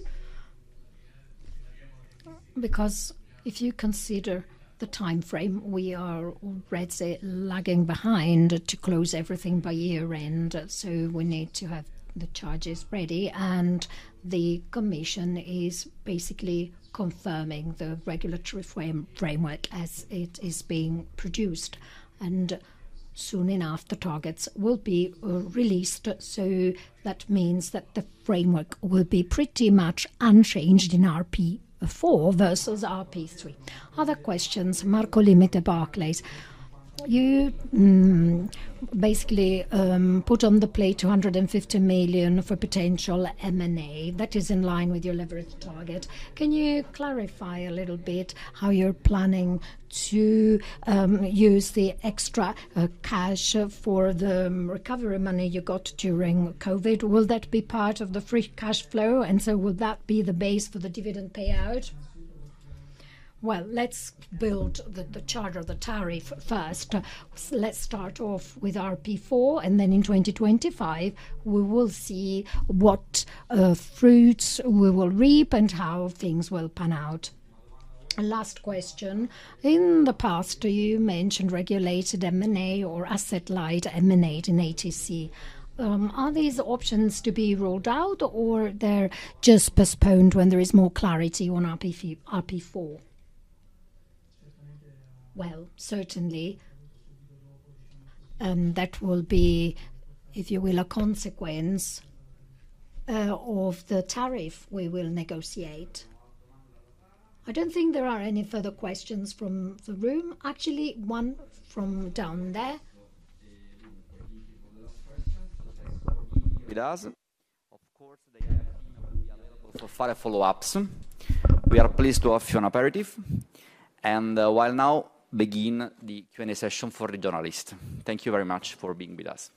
Because if you consider the time frame, we are already lagging behind to close everything by year-end. We need to have the charges ready. The commission is basically confirming the regulatory framework as it is being produced. Soon enough, the targets will be released. That means that the framework will be pretty much unchanged in RP4 versus RP3. Other questions, Marco Limite, Barclays, you basically put on the plate 250 million for potential M&A. That is in line with your leverage target. Can you clarify a little bit how you're planning to use the extra cash for the recovery money you got during COVID? Will that be part of the free cash flow? And so will that be the base for the dividend payout? Well, let's build the charter of the tariff first. Let's start off with RP4. And then in 2025, we will see what fruits we will reap and how things will pan out. Last question. In the past, you mentioned regulated M&A or asset-light M&A in ATC. Are these options to be rolled out? Or they're just postponed when there is more clarity on RP4? Well, certainly, that will be, if you will, a consequence of the tariff we will negotiate. I don't think there are any further questions from the room. Actually, one from down there. Of course, the ENAV team will be available for further follow-ups. We are pleased to offer you an aperitivo. And now we begin the Q&A session for the journalists. Thank you very much for being with us.